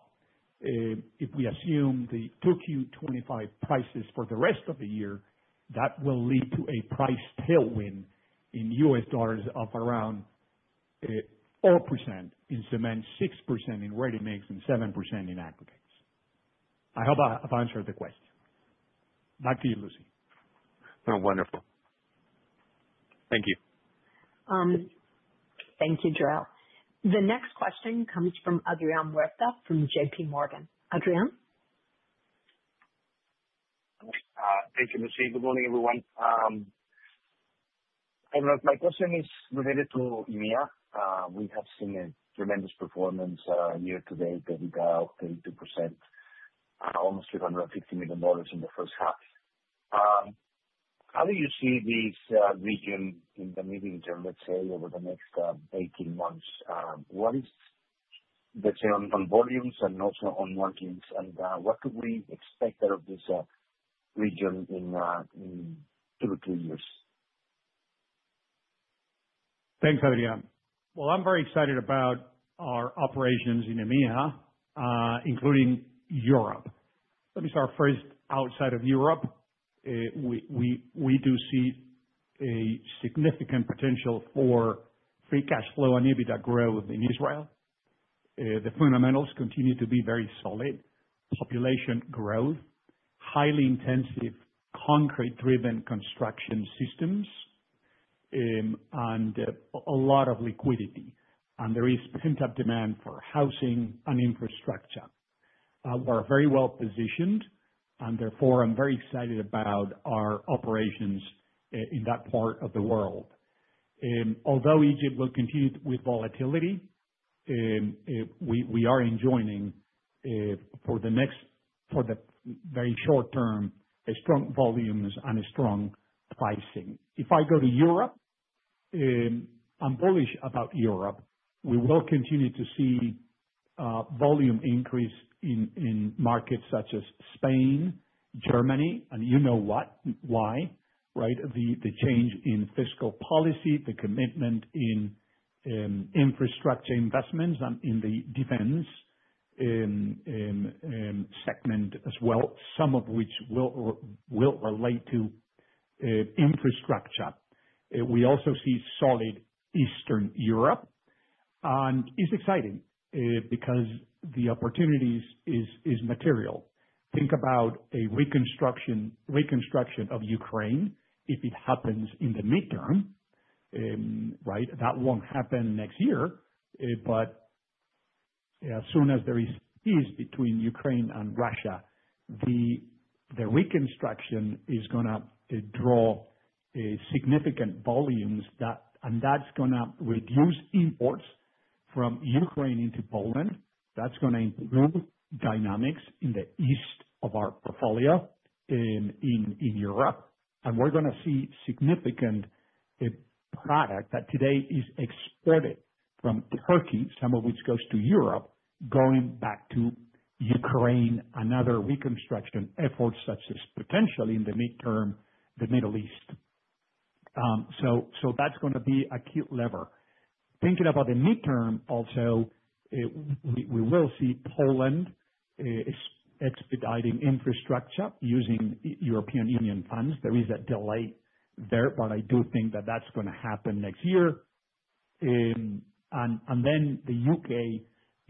If we assume the 2Q25 prices for the rest of the year, that will lead to a price tailwind in U.S. dollars of around 4% in cement, 6% in ready-mix, and 7% in aggregates. I hope I've answered the question. Back to you, Lucy. Wonderful. Thank you. Thank you, Joel. The next question comes from Adrian Huerta from J.P. Morgan. Adrian? Thank you, Lucy. Good morning, everyone. I don't know if my question is related to EMEA. We have seen a tremendous performance year to date, 82%. Almost $350 million in the 1st half. How do you see this region in the medium term, let's say, over the next 18 months? What is, let's say, on volumes and also on margins? What could we expect out of this region in two to three years? Thanks, Adrian. I'm very excited about our operations in EMEA, including Europe. Let me start 1st outside of Europe. We do see significant potential for free cash flow and EBITDA growth in Israel. The fundamentals continue to be very solid: population growth, highly intensive concrete-driven construction systems, and a lot of liquidity. There is pent-up demand for housing and infrastructure. We're very well positioned, and therefore, I'm very excited about our operations in that part of the world. Although Egypt will continue with volatility, we are enjoying, for the very short term, strong volumes and strong pricing. If I go to Europe, I'm bullish about Europe. We will continue to see volume increase in markets such as Spain, Germany, and you know why: the change in fiscal policy, the commitment in infrastructure investments, and in the defense segment as well, some of which will relate to infrastructure. We also see solid Eastern Europe, and it's exciting because the opportunities are material. Think about a reconstruction of Ukraine if it happens in the midterm. That won't happen next year, but as soon as there is peace between Ukraine and Russia, the reconstruction is going to draw significant volumes, and that's going to reduce imports from Ukraine into Poland. That's going to improve dynamics in the east of our portfolio in Europe. We're going to see significant product that today is exported from Turkey, some of which goes to Europe, going back to Ukraine. Another reconstruction effort such as potentially in the midterm, the Middle East, so that's going to be a key lever. Thinking about the midterm also, we will see Poland expediting infrastructure using European Union funds. There is a delay there, but I do think that that's going to happen next year. The U.K.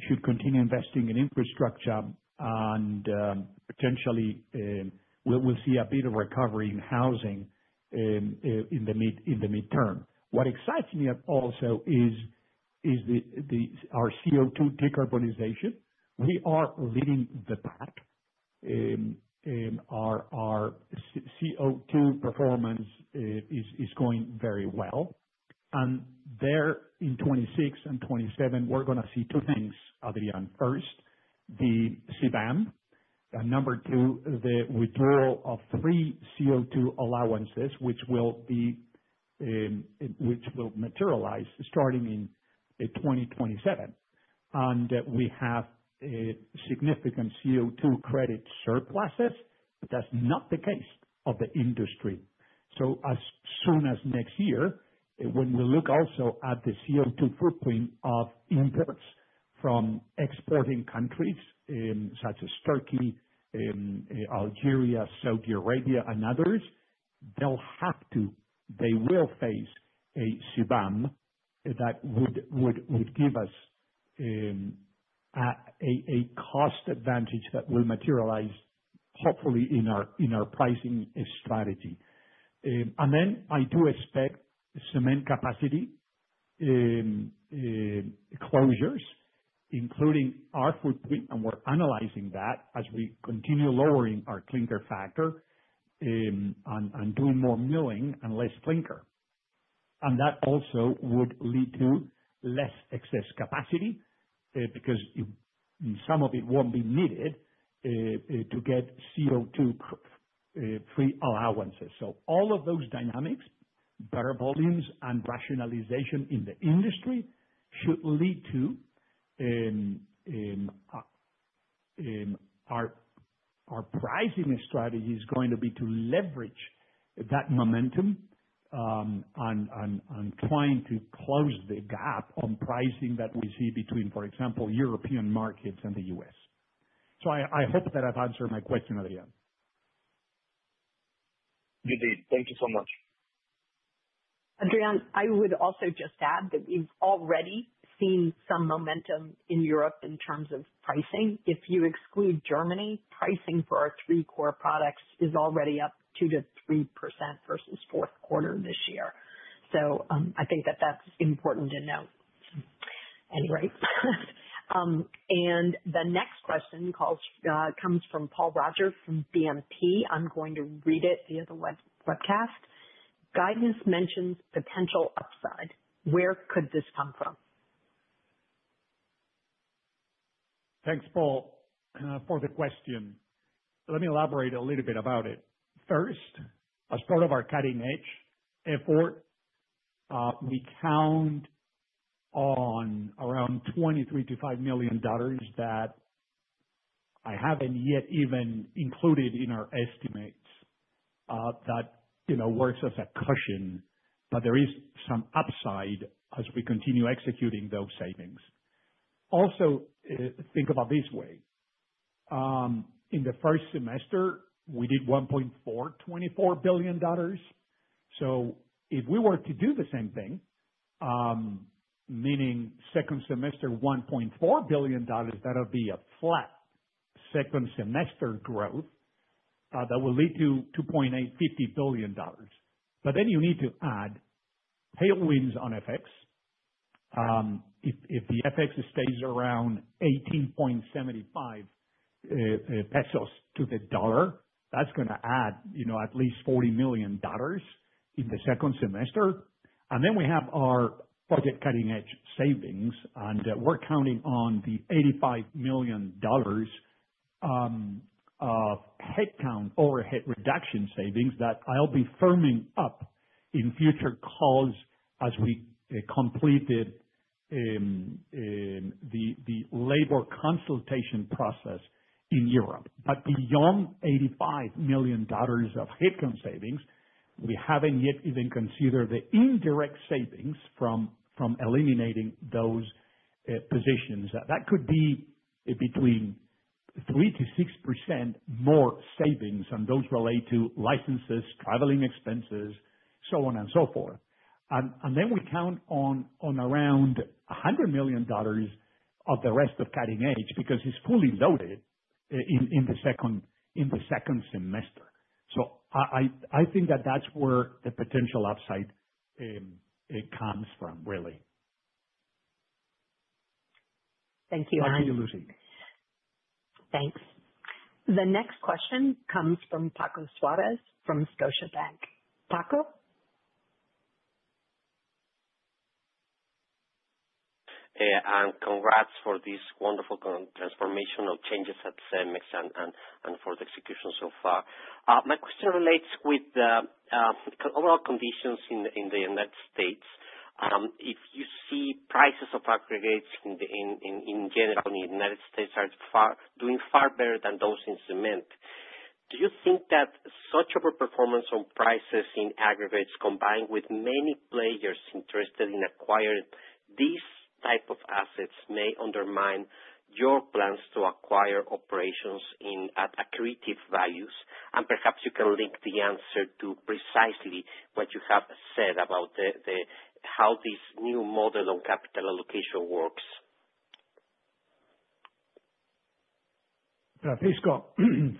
should continue investing in infrastructure, and potentially we'll see a bit of recovery in housing in the midterm. What excites me also is our CO2 decarbonization. We are leading the pack. Our CO2 performance is going very well, and there in 2026 and 2027, we're going to see two things, Adrian. First, the CBAM, and number two, the withdrawal of three CO2 allowances, which will materialize starting in 2027. We have significant CO2 credit surpluses, but that's not the case for the industry. As soon as next year, when we look also at the CO2 footprint of imports from exporting countries such as Turkey, Algeria, Saudi Arabia, and others, they'll have to—they will face a CBAM that would give us a cost advantage that will materialize, hopefully, in our pricing strategy. I do expect cement capacity closures, including our footprint, and we're analyzing that as we continue lowering our clinker factor and doing more milling and less clinker. That also would lead to less excess capacity because some of it won't be needed to get CO2 free allowances. All of those dynamics, better volumes, and rationalization in the industry should lead to. Our pricing strategy is going to be to leverage that momentum. Trying to close the gap on pricing that we see between, for example, European markets and the U.S.. I hope that I've answered my question, Adrian. You did. Thank you so much. Adrian, I would also just add that we've already seen some momentum in Europe in terms of pricing. If you exclude Germany, pricing for our three core products is already up 2-3% versus 4th quarter this year. I think that that's important to note. Anyway. The next question comes from Paul Roger from BNP. I'm going to read it via the webcast. Guidance mentions potential upside. Where could this come from? Thanks, Paul, for the question. Let me elaborate a little bit about it. First, as part of our cutting-edge effort. We count on around $23-$25 million that I have not yet even included in our estimates. That works as a cushion, but there is some upside as we continue executing those savings. Also, think about it this way. In the 1st semester, we did $1.424 billion. If we were to do the same thing, meaning 2nd semester $1.4 billion, that would be a flat 2nd semester growth. That will lead to $2.850 billion. You need to add tailwinds on FX. If the FX stays around 18.75 pesos to the dollar, that is going to add at least $40 million in the 2nd semester. We have our budget cutting-edge savings, and we are counting on the $85 million of headcount overhead reduction savings that I will be firming up in future calls as we complete the labor consultation process in Europe. Beyond $85 million of headcount savings, we have not yet even considered the indirect savings from eliminating those positions. That could be between 3%-6% more savings on those related to licenses, traveling expenses, so on and so forth. We count on around $100 million of the rest of cutting-edge because it is fully loaded in the second semester. I think that is where the potential upside comes from, really. Thank you, Adrian. Thank you, Lucy. Thanks. The next question comes from Paco Suarez from Scotiabank. Paco? Congrats for this wonderful transformation of changes at CEMEX and for the execution so far. My question relates with the overall conditions in the United States. If you see prices of aggregates in general in the United States are doing far better than those in cement, do you think that such overperformance on prices in aggregates, combined with many players interested in acquiring these types of assets, may undermine your plans to acquire operations at accretive values? Perhaps you can link the answer to precisely what you have said about how this new model on capital allocation works. Yeah, please, Scott.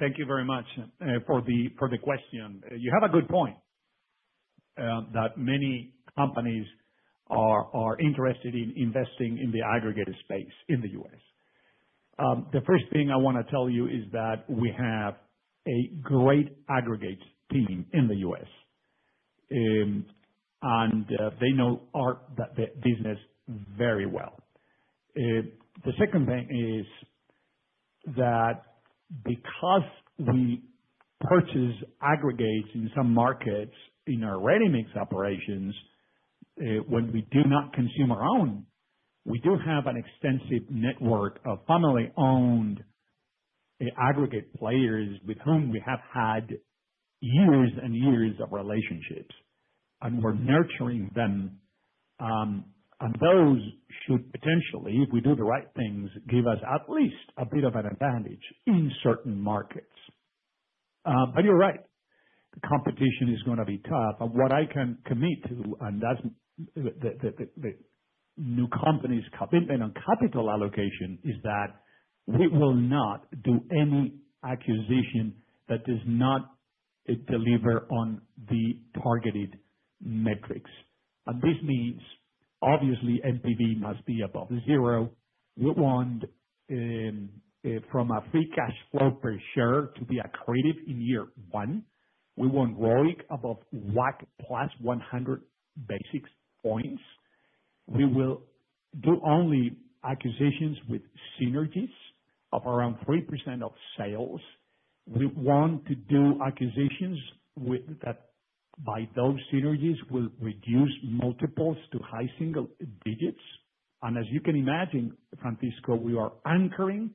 Thank you very much for the question. You have a good point. That many companies are interested in investing in the aggregate space in the U.S.. The 1st thing I want to tell you is that we have a great aggregate team in the U.S., and they know our business very well. The 2nd thing is that because we purchase aggregates in some markets in our ready-mix operations, when we do not consume our own, we do have an extensive network of family-owned aggregate players with whom we have had years and years of relationships, and we're nurturing them. Those should potentially, if we do the right things, give us at least a bit of an advantage in certain markets. You're right, the competition is going to be tough. What I can commit to, and that is the new company's commitment on capital allocation, is that we will not do any acquisition that does not deliver on the targeted metrics. This means, obviously, NPV must be above zero. We want free cash flow per share to be accretive in year one. We want ROIC above WACC plus 100 basis points. We will do only acquisitions with synergies of around 3% of sales. We want to do acquisitions where those synergies will reduce multiples to high single digits. As you can imagine, Francisco, we are anchoring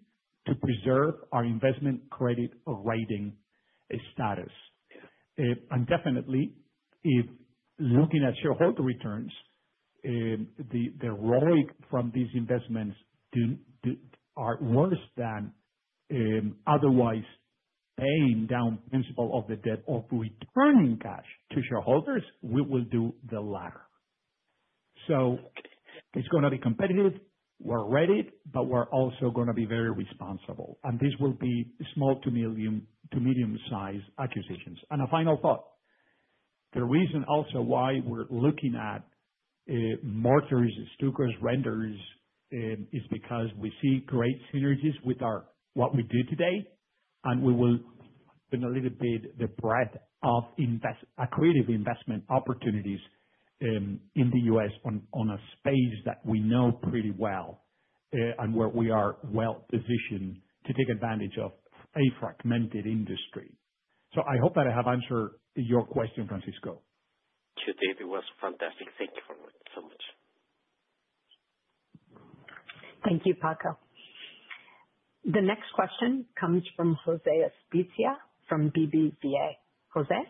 to preserve our investment credit rating status. Definitely, if looking at shareholder returns, the ROIC from these investments are worse than otherwise paying down principal of the debt or returning cash to shareholders, we will do the latter. It is going to be competitive. We're ready, but we're also going to be very responsible. This will be small to medium-sized acquisitions. A final thought, the reason also why we're looking at mortgers, stockers, renters is because we see great synergies with what we do today, and we will a little bit the breadth of accretive investment opportunities in the U.S. on a space that we know pretty well and where we are well positioned to take advantage of a fragmented industry. I hope that I have answered your question, Francisco. Today was fantastic. Thank you so much. Thank you, Paco. The next question comes from José Escrivá from BBVA. José?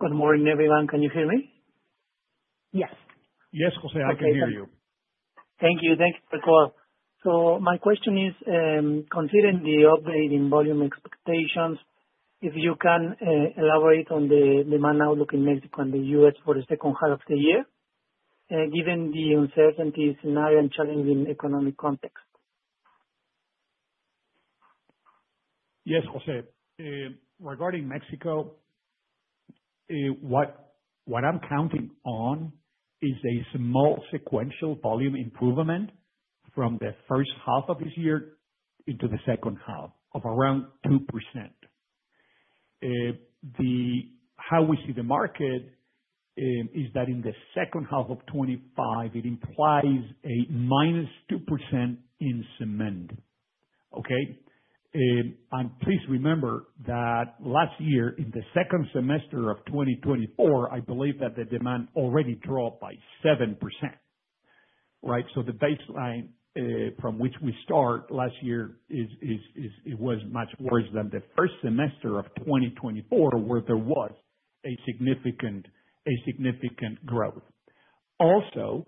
Good morning, everyone. Can you hear me? Yes. Yes, José, I can hear you. Thank you. Thank you, Paco. My question is, considering the updating volume expectations, if you can elaborate on the demand outlook in Mexico and the U.S. for the second half of the year, given the uncertainty scenario and challenging economic context. Yes, José. Regarding Mexico. What I'm counting on is a small sequential volume improvement from the 1st half of this year into the 2nd half of around 2%. How we see the market is that in the 2nd half of 2025, it implies a -2% in cement. Okay? And please remember that last year, in the 2nd semester of 2024, I believe that the demand already dropped by 7%. Right? So the baseline from which we start last year was much worse than the 1st semester of 2024, where there was a significant growth. Also,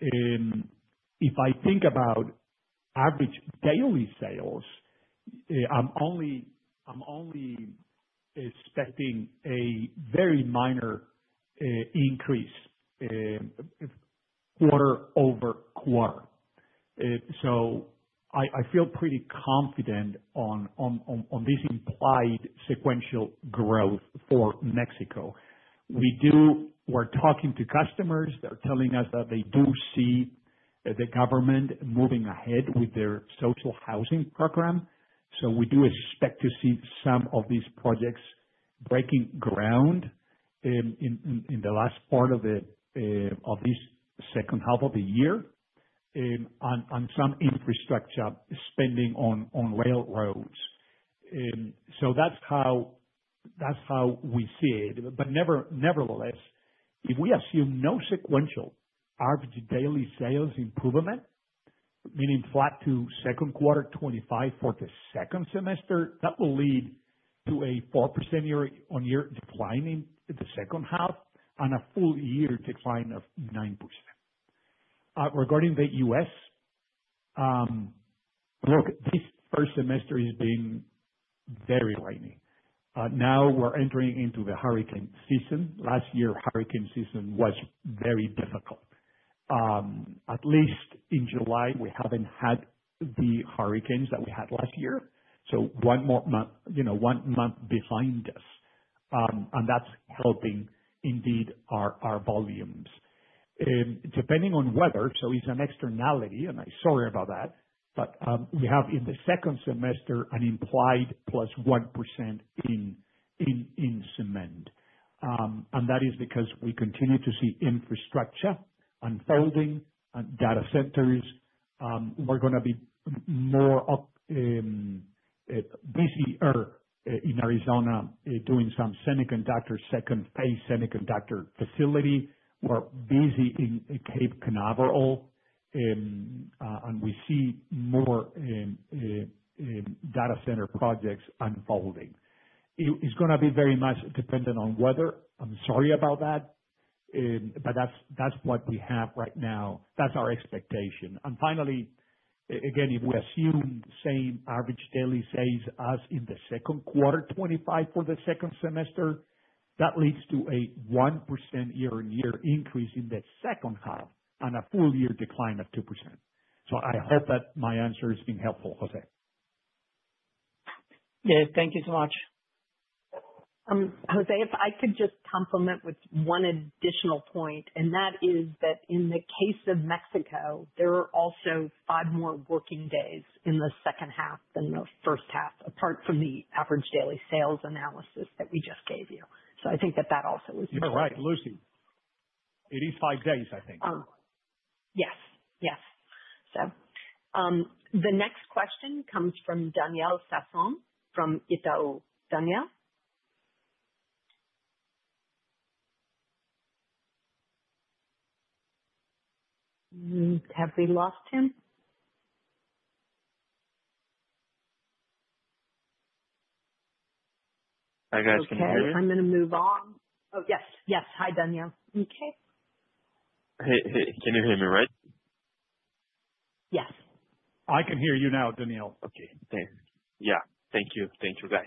if I think about average daily sales, I'm only expecting a very minor increase quarter-over-quarter. I feel pretty confident on this implied sequential growth for Mexico. We're talking to customers. They're telling us that they do see the government moving ahead with their social housing program. We do expect to see some of these projects breaking ground in the last part of this 2nd half of the year on some infrastructure spending on railroads. That's how we see it. Nevertheless, if we assume no sequential average daily sales improvement, meaning flat to 2nd quarter 2025 for the 2nd semester, that will lead to a 4% year-on-year decline in the 2nd half and a full year decline of 9%. Regarding the U.S., look, this first semester has been very rainy. Now we're entering into the hurricane season. Last year, hurricane season was very difficult. At least in July, we haven't had the hurricanes that we had last year. One month behind us, and that's helping indeed our volumes. Depending on weather, so it's an externality, and I'm sorry about that, but we have in the 2nd semester an implied +1% in cement. That is because we continue to see infrastructure unfolding and data centers. We're going to be more busy in Arizona doing some semiconductor, 2nd phase semiconductor facility. We're busy in Cape Canaveral. We see more data center projects unfolding. It's going to be very much dependent on weather. I'm sorry about that. That's what we have right now. That's our expectation. Finally, again, if we assume the same average daily sales as in the 2nd quarter 2025 for the 2nd semester, that leads to a 1% year-on-year increase in the second half and a full year decline of 2%. I hope that my answer has been helpful, José. Yeah, thank you so much. José, if I could just complement with one additional point, and that is that in the case of Mexico, there are also five more working days in the 2nd half than the 1st half, apart from the average daily sales analysis that we just gave you. I think that that also was. You're right, Lucy. It is five days, I think. Oh, yes. Yes. The next question comes from Danielle Safon from Itaú. Danielle, have we lost him? Hi, guys. Can you hear me? Okay. I'm going to move on. Oh, yes. Yes. Hi, Danielle. Okay. Hey. Can you hear me right? Yes. I can hear you now, Danielle. Okay. Thanks. Yeah. Thank you. Thank you, guys.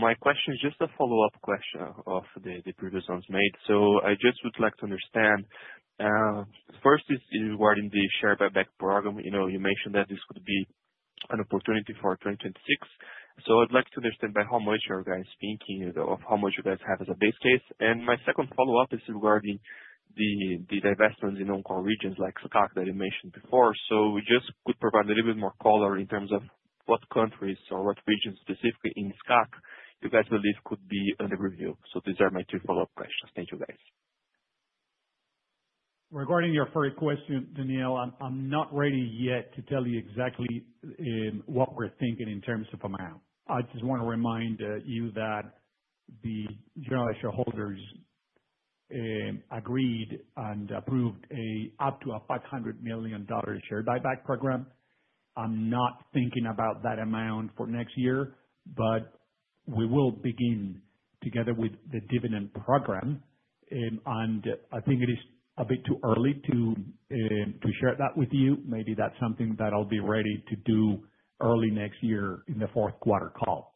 My question is just a follow-up question of the previous ones made. I just would like to understand, 1st, regarding the share buyback program, you mentioned that this could be an opportunity for 2026. I would like to understand by how much you guys are thinking, of how much you guys have as a base case. My 2nd follow-up is regarding the investments in on-call regions like SCAC that you mentioned before. If you could provide a little bit more color in terms of what countries or what regions specifically in SCAC you guys believe could be under review. These are my two follow-up questions. Thank you, guys. Regarding your 1st question, Danielle, I'm not ready yet to tell you exactly what we're thinking in terms of amount. I just want to remind you that the general shareholders agreed and approved up to a $500 million share buyback program. I'm not thinking about that amount for next year, but we will begin together with the dividend program. I think it is a bit too early to share that with you. Maybe that's something that I'll be ready to do early next year in the fourth quarter call.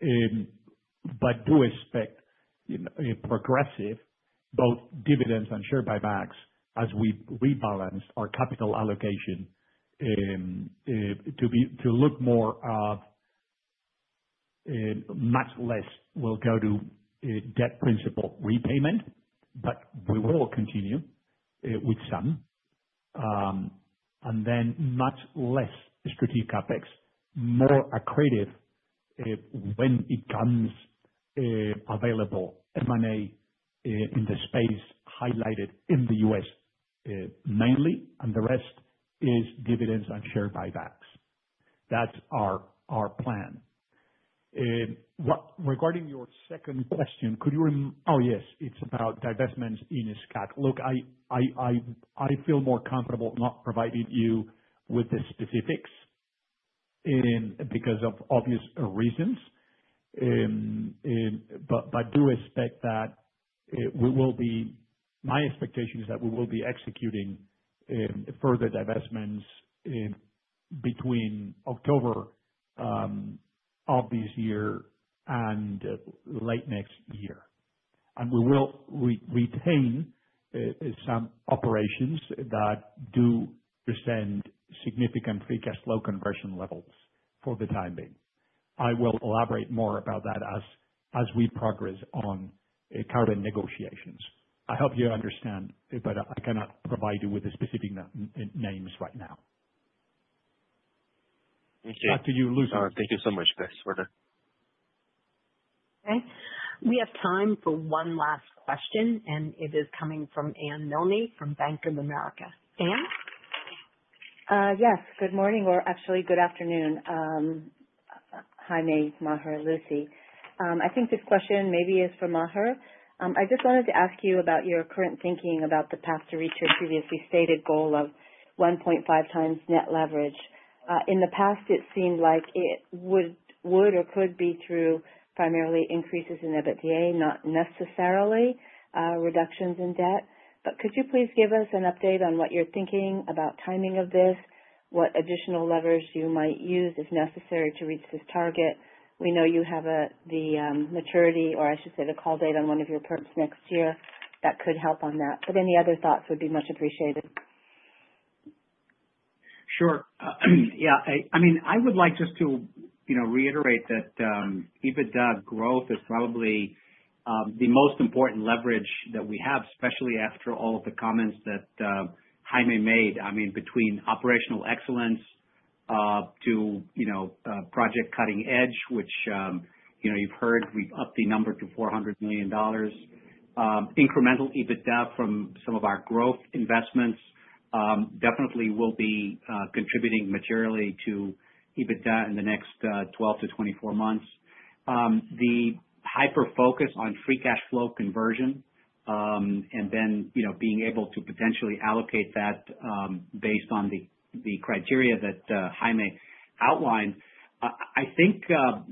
Do expect progressive both dividends and share buybacks as we rebalance our capital allocation to look more of. Much less will go to debt principal repayment, but we will continue with some, and then much less strategic CapEx, more accretive when it comes. Available M&A in the space highlighted in the U.S. mainly, and the rest is dividends and share buybacks. That's our plan. Regarding your 2nd question, could you—oh, yes, it's about divestments in SCAC. Look, I feel more comfortable not providing you with the specifics because of obvious reasons. Do expect that my expectation is that we will be executing further divestments between October of this year and late next year. We will retain some operations that do present significant free cash flow conversion levels for the time being. I will elaborate more about that as we progress on current negotiations. I hope you understand, but I cannot provide you with the specific names right now. Back to you, Lucy. All right. Thank you so much, guys, for the— Okay. We have time for one last question, and it is coming from Anne Milne from Bank of America. Anne? Yes. Good morning, or actually good afternoon. Jaime, Maher, Lucy. I think this question maybe is for Maher. I just wanted to ask you about your current thinking about the path to reach your previously stated goal of 1.5 times net leverage. In the past, it seemed like it would or could be through primarily increases in EBITDA, not necessarily reductions in debt. Could you please give us an update on what you're thinking about timing of this, what additional levers you might use if necessary to reach this target? We know you have the maturity, or I should say the call date on one of your perps next year. That could help on that. Any other thoughts would be much appreciated. Sure. Yeah. I mean, I would like just to reiterate that EBITDA growth is probably the most important leverage that we have, especially after all of the comments that Jaime made. I mean, between operational excellence to Project Cutting Edge, which you've heard, we've upped the number to $400 million incremental EBITDA from some of our growth investments, definitely will be contributing materially to EBITDA in the next 12- 24 months. The hyper-focus on free cash flow conversion and then being able to potentially allocate that based on the criteria that Jaime outlined. I think, and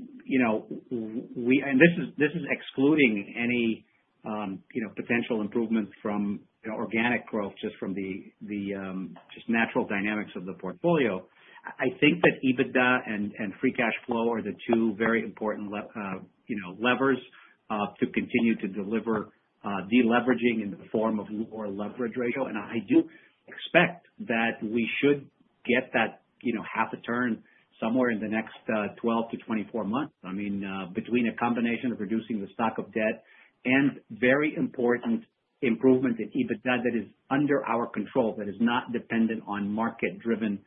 this is excluding any potential improvement from organic growth, just from the natural dynamics of the portfolio. I think that EBITDA and free cash flow are the two very important levers to continue to deliver deleveraging in the form of lower leverage ratio. I do expect that we should get that half a turn somewhere in the next 12-24 months. I mean, between a combination of reducing the stock of debt and very important improvement in EBITDA that is under our control, that is not dependent on market-driven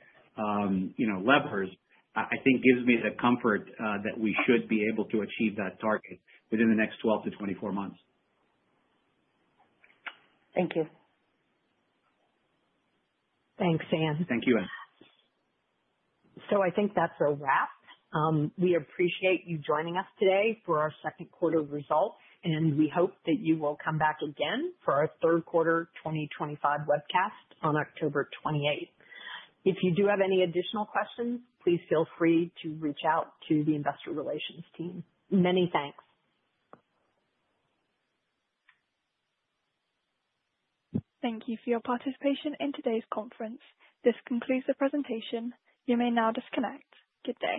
levers, I think gives me the comfort that we should be able to achieve that target within the next 12-24 months. Thank you. Thanks, Anne. Thank you, Anne. I think that's a wrap. We appreciate you joining us today for our second quarter results, and we hope that you will come back again for our third quarter 2025 webcast on October 28. If you do have any additional questions, please feel free to reach out to the investor relations team. Many thanks. Thank you for your participation in today's conference. This concludes the presentation. You may now disconnect. Good day.